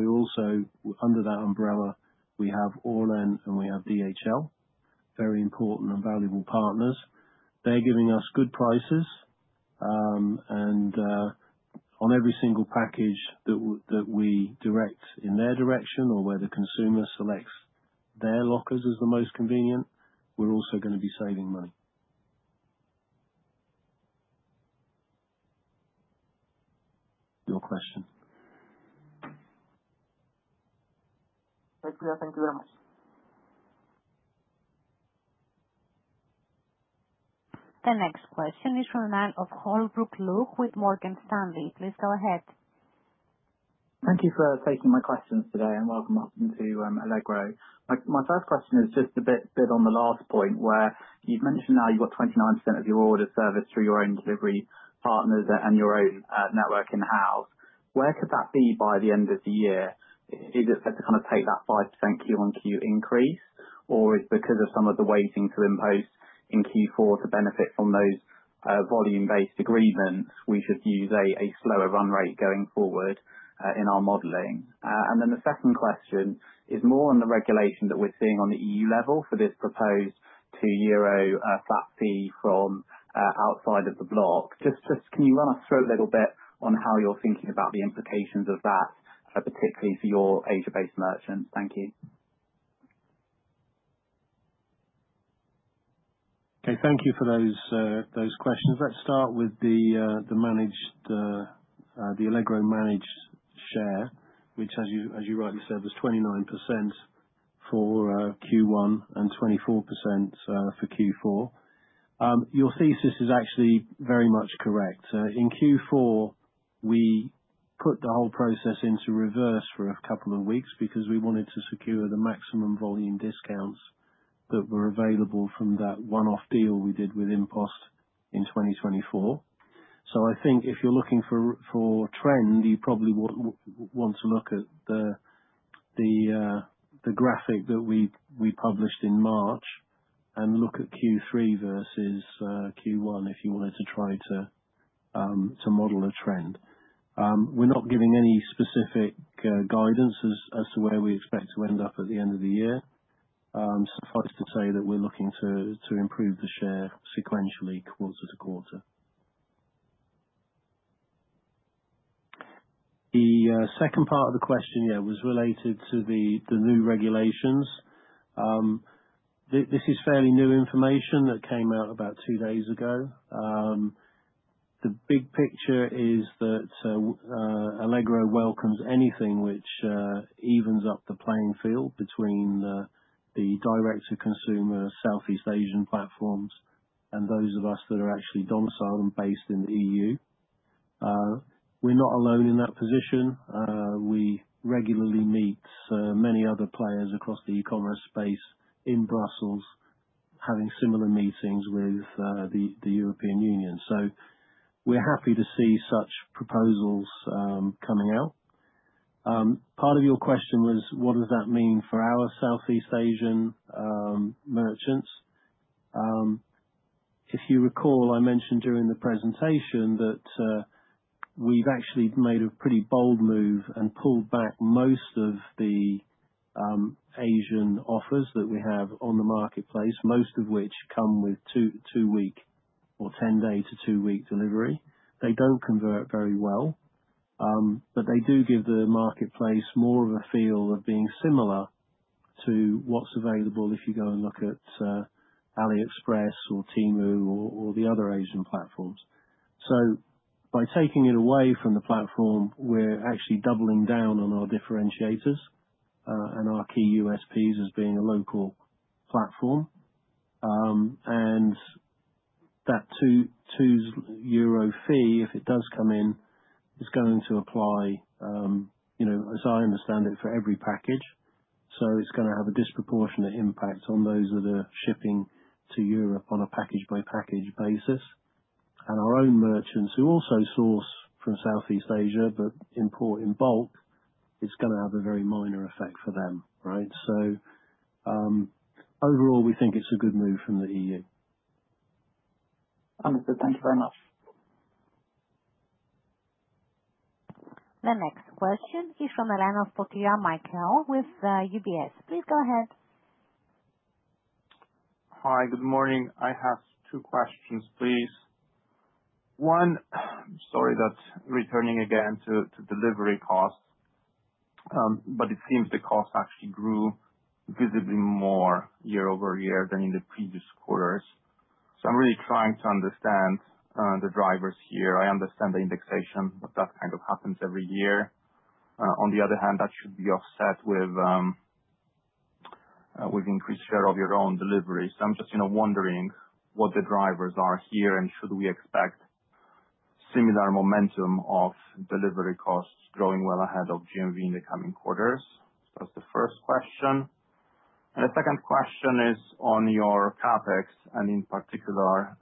under that umbrella, we have Orlen and we have DHL, very important and valuable partners. They're giving us good prices. On every single package that we direct in their direction or where the consumer selects their lockers as the most convenient, we're also going to be saving money. Your question. Thank you. Thank you very much. The next question is from the line of Holbrook Luke with Morgan Stanley. Please go ahead. Thank you for taking my questions today and welcome up into Allegro. My first question is just a bit on the last point, where you've mentioned now you've got 29% of your order service through your own delivery partners and your own network in-house. Where could that be by the end of the year? Is it to kind of take that 5% Q1Q increase, or is it because of some of the weighting to impose in Q4 to benefit from those volume-based agreements we should use a slower run rate going forward in our modeling? The second question is more on the regulation that we're seeing on the EU level for this proposed two-euro flat fee from outside of the block. Just can you run us through a little bit on how you're thinking about the implications of that, particularly for your Asia-based merchants? Thank you. Okay. Thank you for those questions. Let's start with the Allegro Managed Volume share, which, as you rightly said, was 29% for Q1 and 24% for Q4. Your thesis is actually very much correct. In Q4, we put the whole process into reverse for a couple of weeks because we wanted to secure the maximum volume discounts that were available from that one-off deal we did with InPost in 2024. I think if you're looking for trend, you probably want to look at the graphic that we published in March and look at Q3 versus Q1 if you wanted to try to model a trend. We're not giving any specific guidance as to where we expect to end up at the end of the year. Suffice to say that we're looking to improve the share sequentially quarter-to-quarter. The second part of the question, yeah, was related to the new regulations. This is fairly new information that came out about two days ago. The big picture is that Allegro welcomes anything which evens up the playing field between the direct-to-consumer Southeast Asian platforms and those of us that are actually domiciled and based in the EU. We're not alone in that position. We regularly meet many other players across the e-commerce space in Brussels, having similar meetings with the European Union. We are happy to see such proposals coming out. Part of your question was, what does that mean for our Southeast Asian merchants? If you recall, I mentioned during the presentation that we've actually made a pretty bold move and pulled back most of the Asian offers that we have on the marketplace, most of which come with two-week or 10-day to two-week delivery. They don't convert very well, but they do give the marketplace more of a feel of being similar to what's available if you go and look at AliExpress or Temu or the other Asian platforms. By taking it away from the platform, we're actually doubling down on our differentiators and our key USPs as being a local platform. That two-euro fee, if it does come in, is going to apply, as I understand it, for every package. It is going to have a disproportionate impact on those that are shipping to Europe on a package-by-package basis. Our own merchants, who also source from Southeast Asia but import in bulk, it's going to have a very minor effect for them, right? Overall, we think it's a good move from the EU. Understood. Thank you very much. The next question is from the line of Potrya Michał with UBS please go ahead Hi. Good morning. I have two questions, please. One, sorry that returning again to delivery costs, but it seems the cost actually grew visibly more year over year than in the previous quarters. I am really trying to understand the drivers here. I understand the indexation, but that kind of happens every year. On the other hand, that should be offset with increased share of your own delivery. I am just wondering what the drivers are here and should we expect similar momentum of delivery costs growing well ahead of GMV in the coming quarters? That is the first question. The second question is on your CapEx and, in particular,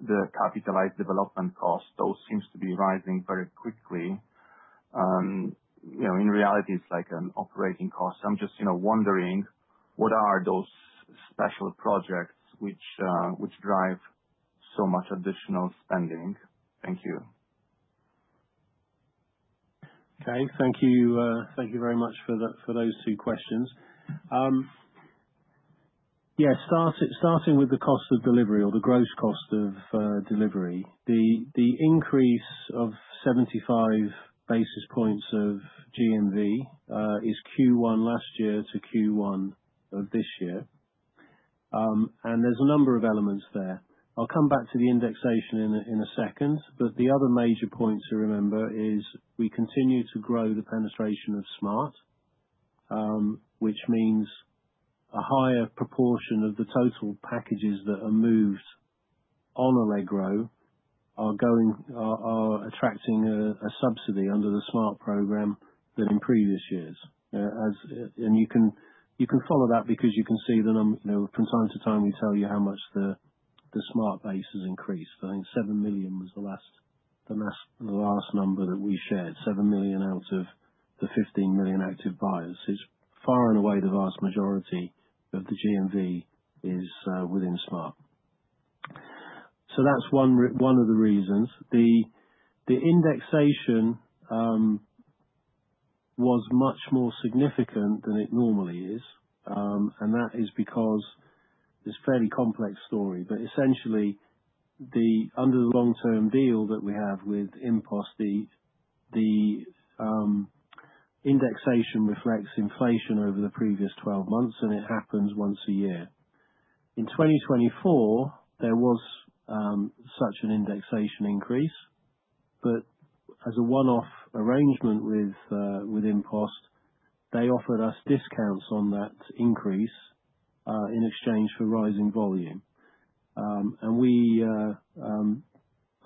the capitalized development cost. Those seem to be rising very quickly. In reality, it is like an operating cost. I am just wondering what are those special projects which drive so much additional spending? Thank you. Okay. Thank you very much for those two questions. Yeah, starting with the cost of delivery or the gross cost of delivery. The increase of 75 basis points of GMV is Q1 last year to Q1 of this year. There is a number of elements there. I'll come back to the indexation in a second. The other major points to remember is we continue to grow the penetration of Smart, which means a higher proportion of the total packages that are moved on Allegro are attracting a subsidy under the Smart program than in previous years. You can follow that because you can see from time to time we tell you how much the Smart base has increased. I think 7 million was the last number that we shared, 7 million out of the 15 million active buyers. It's far and away the vast majority of the GMV is within Smart. That is one of the reasons. The indexation was much more significant than it normally is. That is because it's a fairly complex story. Essentially, under the long-term deal that we have with InPost, the indexation reflects inflation over the previous 12 months, and it happens once a year. In 2024, there was such an indexation increase. As a one-off arrangement with InPost, they offered us discounts on that increase in exchange for rising volume. We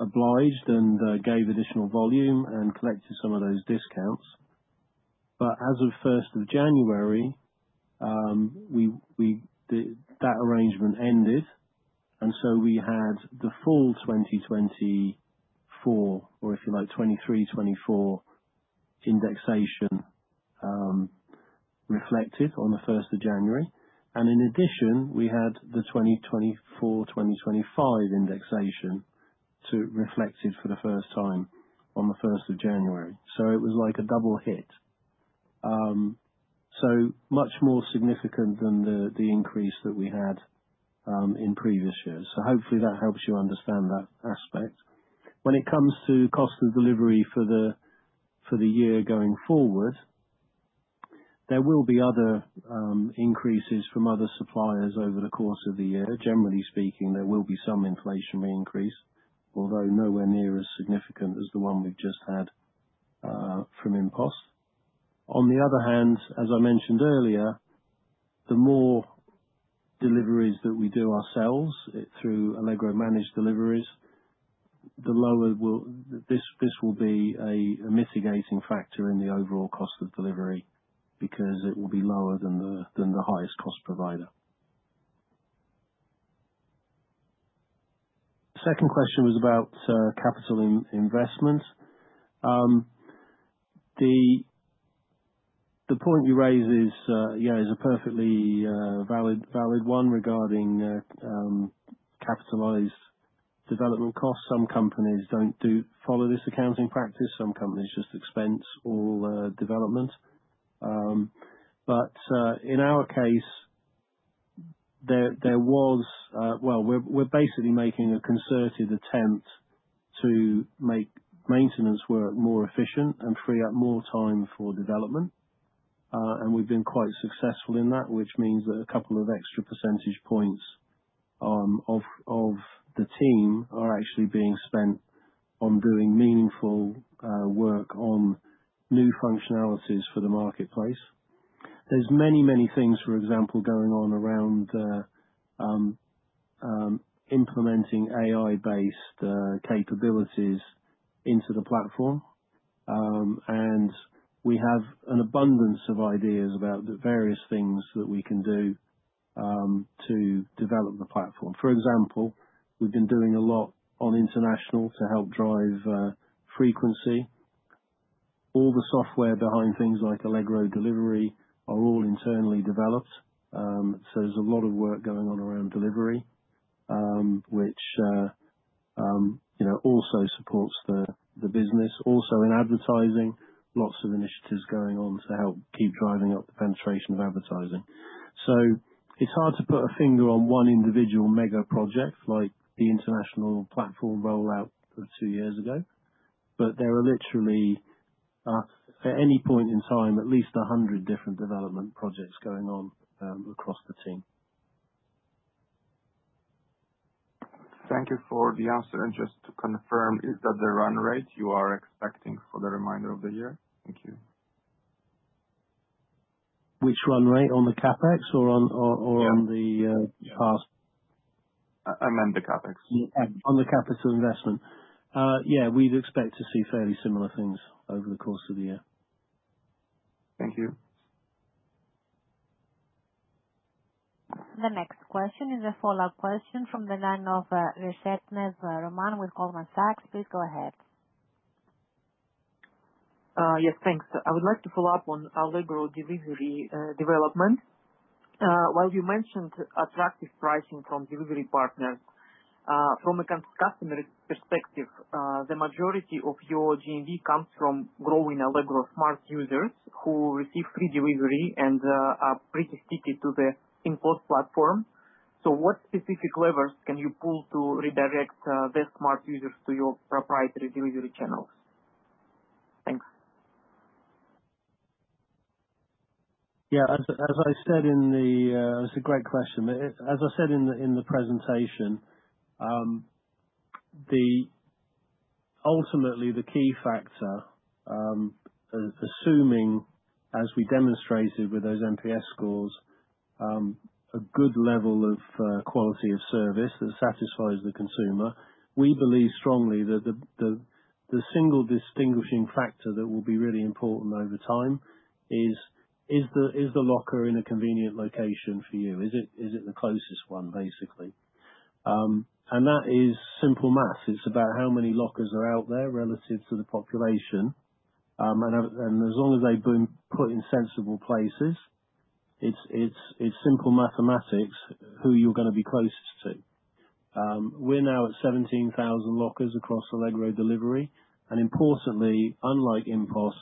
obliged and gave additional volume and collected some of those discounts. As of 1st of January, that arrangement ended. We had the full 2024, or if you like, 2023/2024 indexation reflected on the 1st of January. In addition, we had the 2024/2025 indexation reflected for the first time on the 1st of January. It was like a double hit. Much more significant than the increase that we had in previous years. Hopefully, that helps you understand that aspect. When it comes to cost of delivery for the year going forward, there will be other increases from other suppliers over the course of the year. Generally speaking, there will be some inflationary increase, although nowhere near as significant as the one we have just had from InPost. On the other hand, as I mentioned earlier, the more deliveries that we do ourselves through Allegro Managed Deliveries, this will be a mitigating factor in the overall cost of delivery because it will be lower than the highest cost provider. The second question was about capital investment. The point you raise is a perfectly valid one regarding capitalized development costs. Some companies do not follow this accounting practice. Some companies just expense all development. In our case, there was, well, we're basically making a concerted attempt to make maintenance work more efficient and free up more time for development. We've been quite successful in that, which means that a couple of extra percentage points of the team are actually being spent on doing meaningful work on new functionalities for the marketplace. There are many, many things, for example, going on around implementing AI-based capabilities into the platform. We have an abundance of ideas about the various things that we can do to develop the platform. For example, we've been doing a lot on international to help drive frequency. All the software behind things like Allegro Delivery are all internally developed. There is a lot of work going on around delivery, which also supports the business. Also, in advertising, lots of initiatives going on to help keep driving up the penetration of advertising. It's hard to put a finger on one individual mega project like the international platform rollout of two years ago. There are literally, at any point in time, at least 100 different development projects going on across the team. Thank you for the answer. Just to confirm, is that the run rate you are expecting for the remainder of the year? Thank you. Which run rate? On the CapEx or on the past? I meant the CapEx. On the CapEx investment. Yeah, we'd expect to see fairly similar things over the course of the year. Thank you. The next question is a follow-up question from the line of Reshetnev Roman with Goldman Sachs. Please go ahead. Yes, thanks. I would like to follow up on Allegro Delivery development. While you mentioned attractive pricing from delivery partners, from a customer perspective, the majority of your GMV comes from growing Allegro Smart users who receive free delivery and are pretty sticky to the InPost platform. What specific levers can you pull to redirect the Smart users to your proprietary delivery channels? Thanks. Yeah. As I said in the—it's a great question. As I said in the presentation, ultimately, the key factor, assuming, as we demonstrated with those NPS scores, a good level of quality of service that satisfies the consumer, we believe strongly that the single distinguishing factor that will be really important over time is the locker in a convenient location for you. Is it the closest one, basically? That is simple maths. It's about how many lockers are out there relative to the population. As long as they've been put in sensible places, it's simple mathematics who you're going to be closest to. We're now at 17,000 lockers across Allegro Delivery. Importantly, unlike InPost,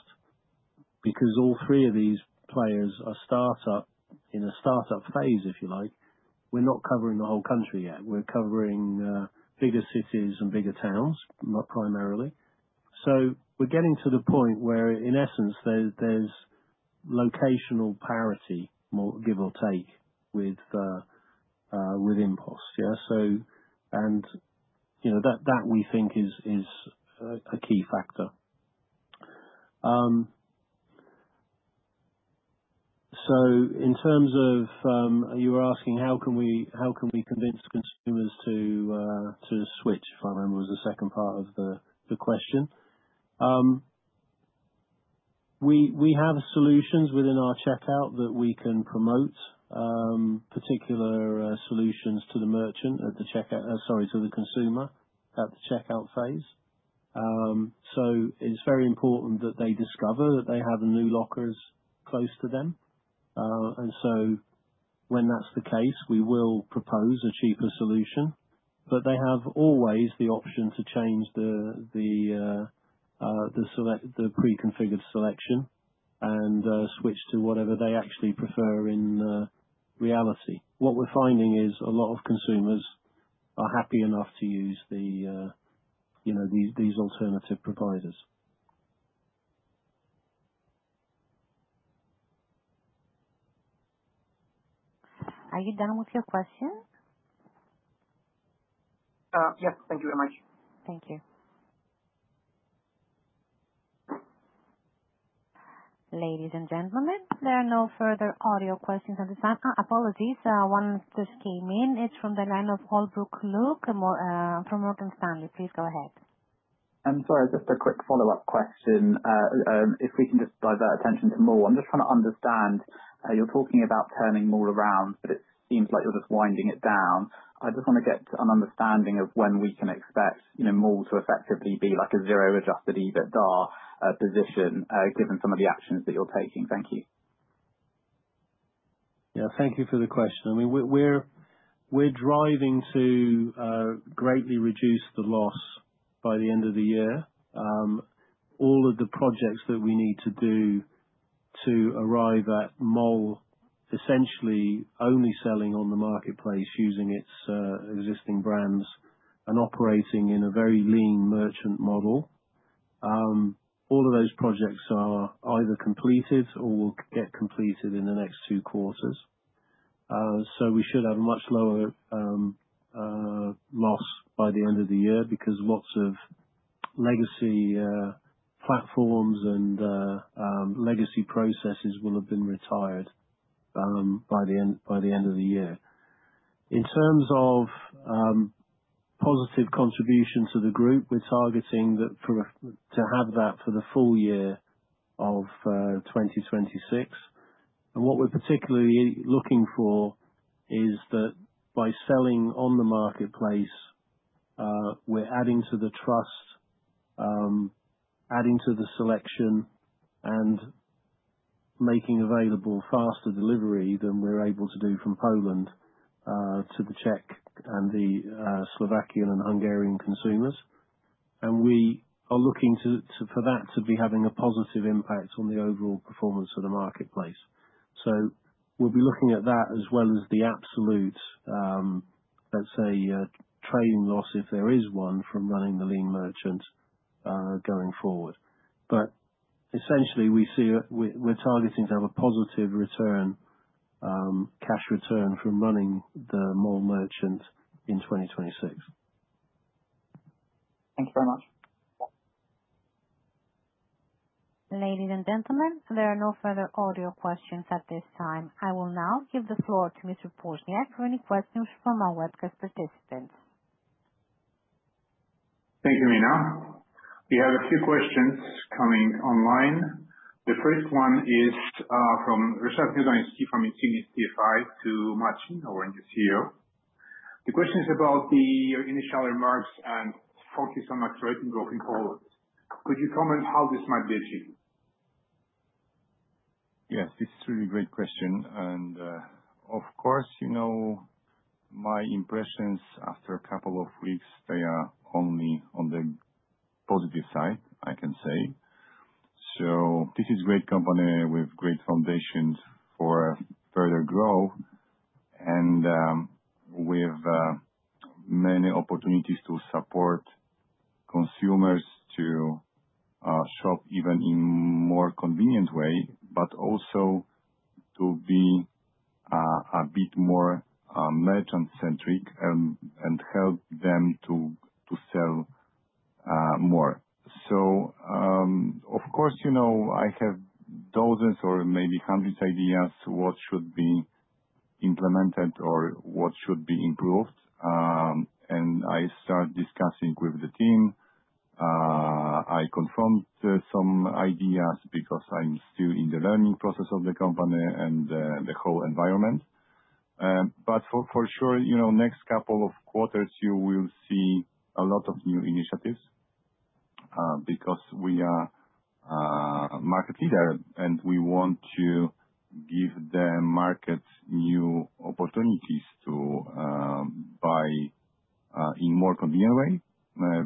because all three of these players are in a startup phase, if you like, we're not covering the whole country yet. We're covering bigger cities and bigger towns, primarily. We're getting to the point where, in essence, there's locational parity, give or take, with InPost. Yeah? That, we think, is a key factor. In terms of you were asking how can we convince consumers to switch, if I remember, was the second part of the question. We have solutions within our checkout that we can promote, particular solutions to the merchant at the checkout—sorry, to the consumer at the checkout phase. It is very important that they discover that they have new lockers close to them. When that's the case, we will propose a cheaper solution. They have always the option to change the pre-configured selection and switch to whatever they actually prefer in reality. What we're finding is a lot of consumers are happy enough to use these alternative providers. Are you done with your question? Yes, thank you very much. Thank you. Ladies and gentlemen, there are no further audio questions at this time. Apologies, one just came in. It is from the line of Holbrook Luke from Morgan Stanley. Please go ahead. I'm sorry. Just a quick follow-up question. If we can just divert attention to Moore. I'm just trying to understand. You're talking about turning Moore around, but it seems like you're just winding it down. I just want to get an understanding of when we can expect Moore to effectively be like a zero-Ajusted EBITDA position given some of the actions that you're taking. Thank you. Yeah. Thank you for the question. I mean, we're driving to greatly reduce the loss by the end of the year. All of the projects that we need to do to arrive at more, essentially only selling on the marketplace using its existing brands and operating in a very lean merchant model, all of those projects are either completed or will get completed in the next two quarters. We should have a much lower loss by the end of the year because lots of legacy platforms and legacy processes will have been retired by the end of the year. In terms of positive contribution to the group, we're targeting to have that for the full year of 2026. What we're particularly looking for is that by selling on the marketplace, we're adding to the trust, adding to the selection, and making available faster delivery than we're able to do from Poland to the Czech and the Slovakian and Hungarian consumers. We are looking for that to be having a positive impact on the overall performance of the marketplace. We'll be looking at that as well as the absolute, let's say, trading loss if there is one from running the lean merchant going forward. Essentially, we're targeting to have a positive cash return from running the Moore merchant in 2026. Thank you very much. Ladies and gentlemen, there are no further audio questions at this time. I will now give the floor to Mr. Poźniak for any questions from our webcast participants. Thank you, Mina. We have a few questions coming online. The first one is from [Reshetnev] from Insignis CFI to Marcin, our CEO. The question is about the initial remarks and focus on accelerating growth in Poland. Could you comment on how this might be achieved? Yes. This is a really great question. Of course, my impressions after a couple of weeks, they are only on the positive side, I can say. This is a great company with great foundations for further growth and with many opportunities to support consumers to shop even in a more convenient way, but also to be a bit more merchant-centric and help them to sell more. I have dozens or maybe hundreds of ideas what should be implemented or what should be improved. I start discussing with the team. I confirmed some ideas because I am still in the learning process of the company and the whole environment. For sure, next couple of quarters, you will see a lot of new initiatives because we are a market leader and we want to give the market new opportunities to buy in a more convenient way.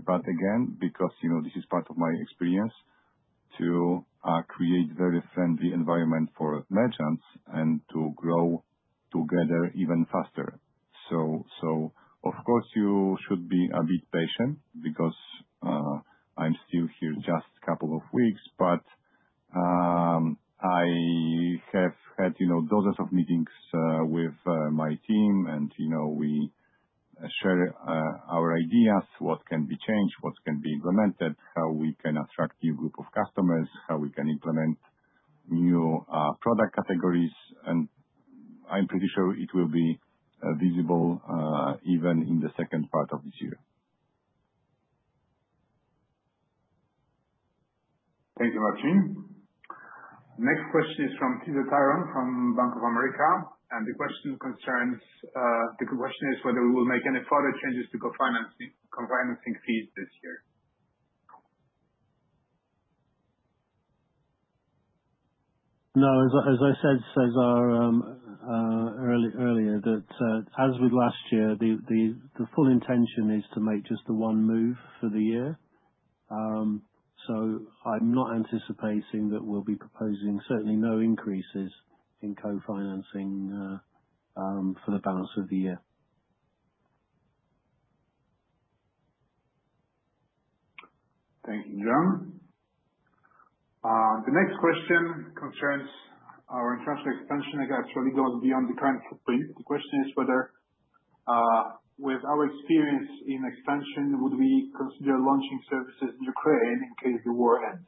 Again, because this is part of my experience to create a very friendly environment for merchants and to grow together even faster. Of course, you should be a bit patient because I'm still here just a couple of weeks. I have had dozens of meetings with my team, and we share our ideas, what can be changed, what can be implemented, how we can attract a new group of customers, how we can implement new product categories. I'm pretty sure it will be visible even in the second part of this year. Thank you, Marcin. Next question is from Cesar Tiron from Bank of America. The question concerns whether we will make any further changes to co-financing fees this year. No. As I said earlier, that as with last year, the full intention is to make just the one move for the year. I am not anticipating that we will be proposing certainly no increases in co-financing for the balance of the year. Thank you, Jon. The next question concerns our international expansion that actually goes beyond the current footprint. The question is whether, with our experience in expansion, would we consider launching services in Ukraine in case the war ends?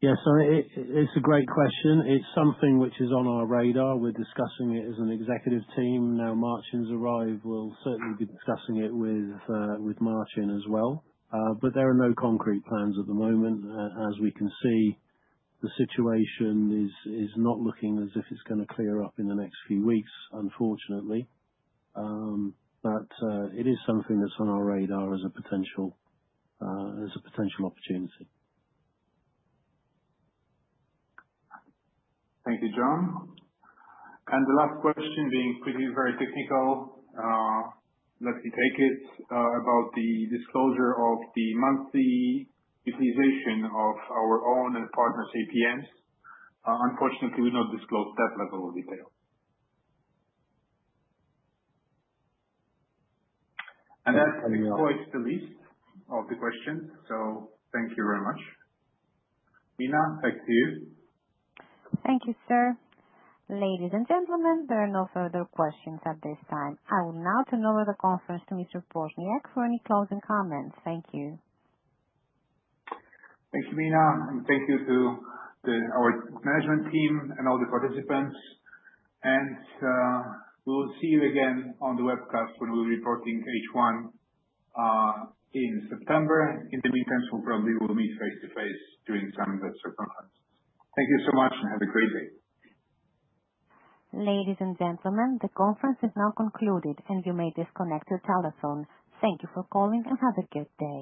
Yeah. It is a great question. It is something which is on our radar. We are discussing it as an executive team. Now, Marcin has arrived. We will certainly be discussing it with Marcin as well. There are no concrete plans at the moment. As we can see, the situation is not looking as if it is going to clear up in the next few weeks, unfortunately. It is something that is on our radar as a potential opportunity. Thank you, Jon. The last question, being pretty very technical, let me take it about the disclosure of the monthly utilization of our own and partners' APMs. Unfortunately, we do not disclose that level of detail. That is quite the least of the questions. Thank you very much. Mina, back to you. Thank you, sir. Ladies and gentlemen, there are no further questions at this time. I will now turn over the conference to Mr. Poźniak for any closing comments. Thank you. Thank you, Mina. Thank you to our management team and all the participants. We will see you again on the webcast when we are reporting H1 in September. In the meantime, we will probably meet face-to-face during some of the conferences. Thank you so much and have a great day. Ladies and gentlemen, the conference is now concluded, and you may disconnect your telephone. Thank you for calling and have a good day.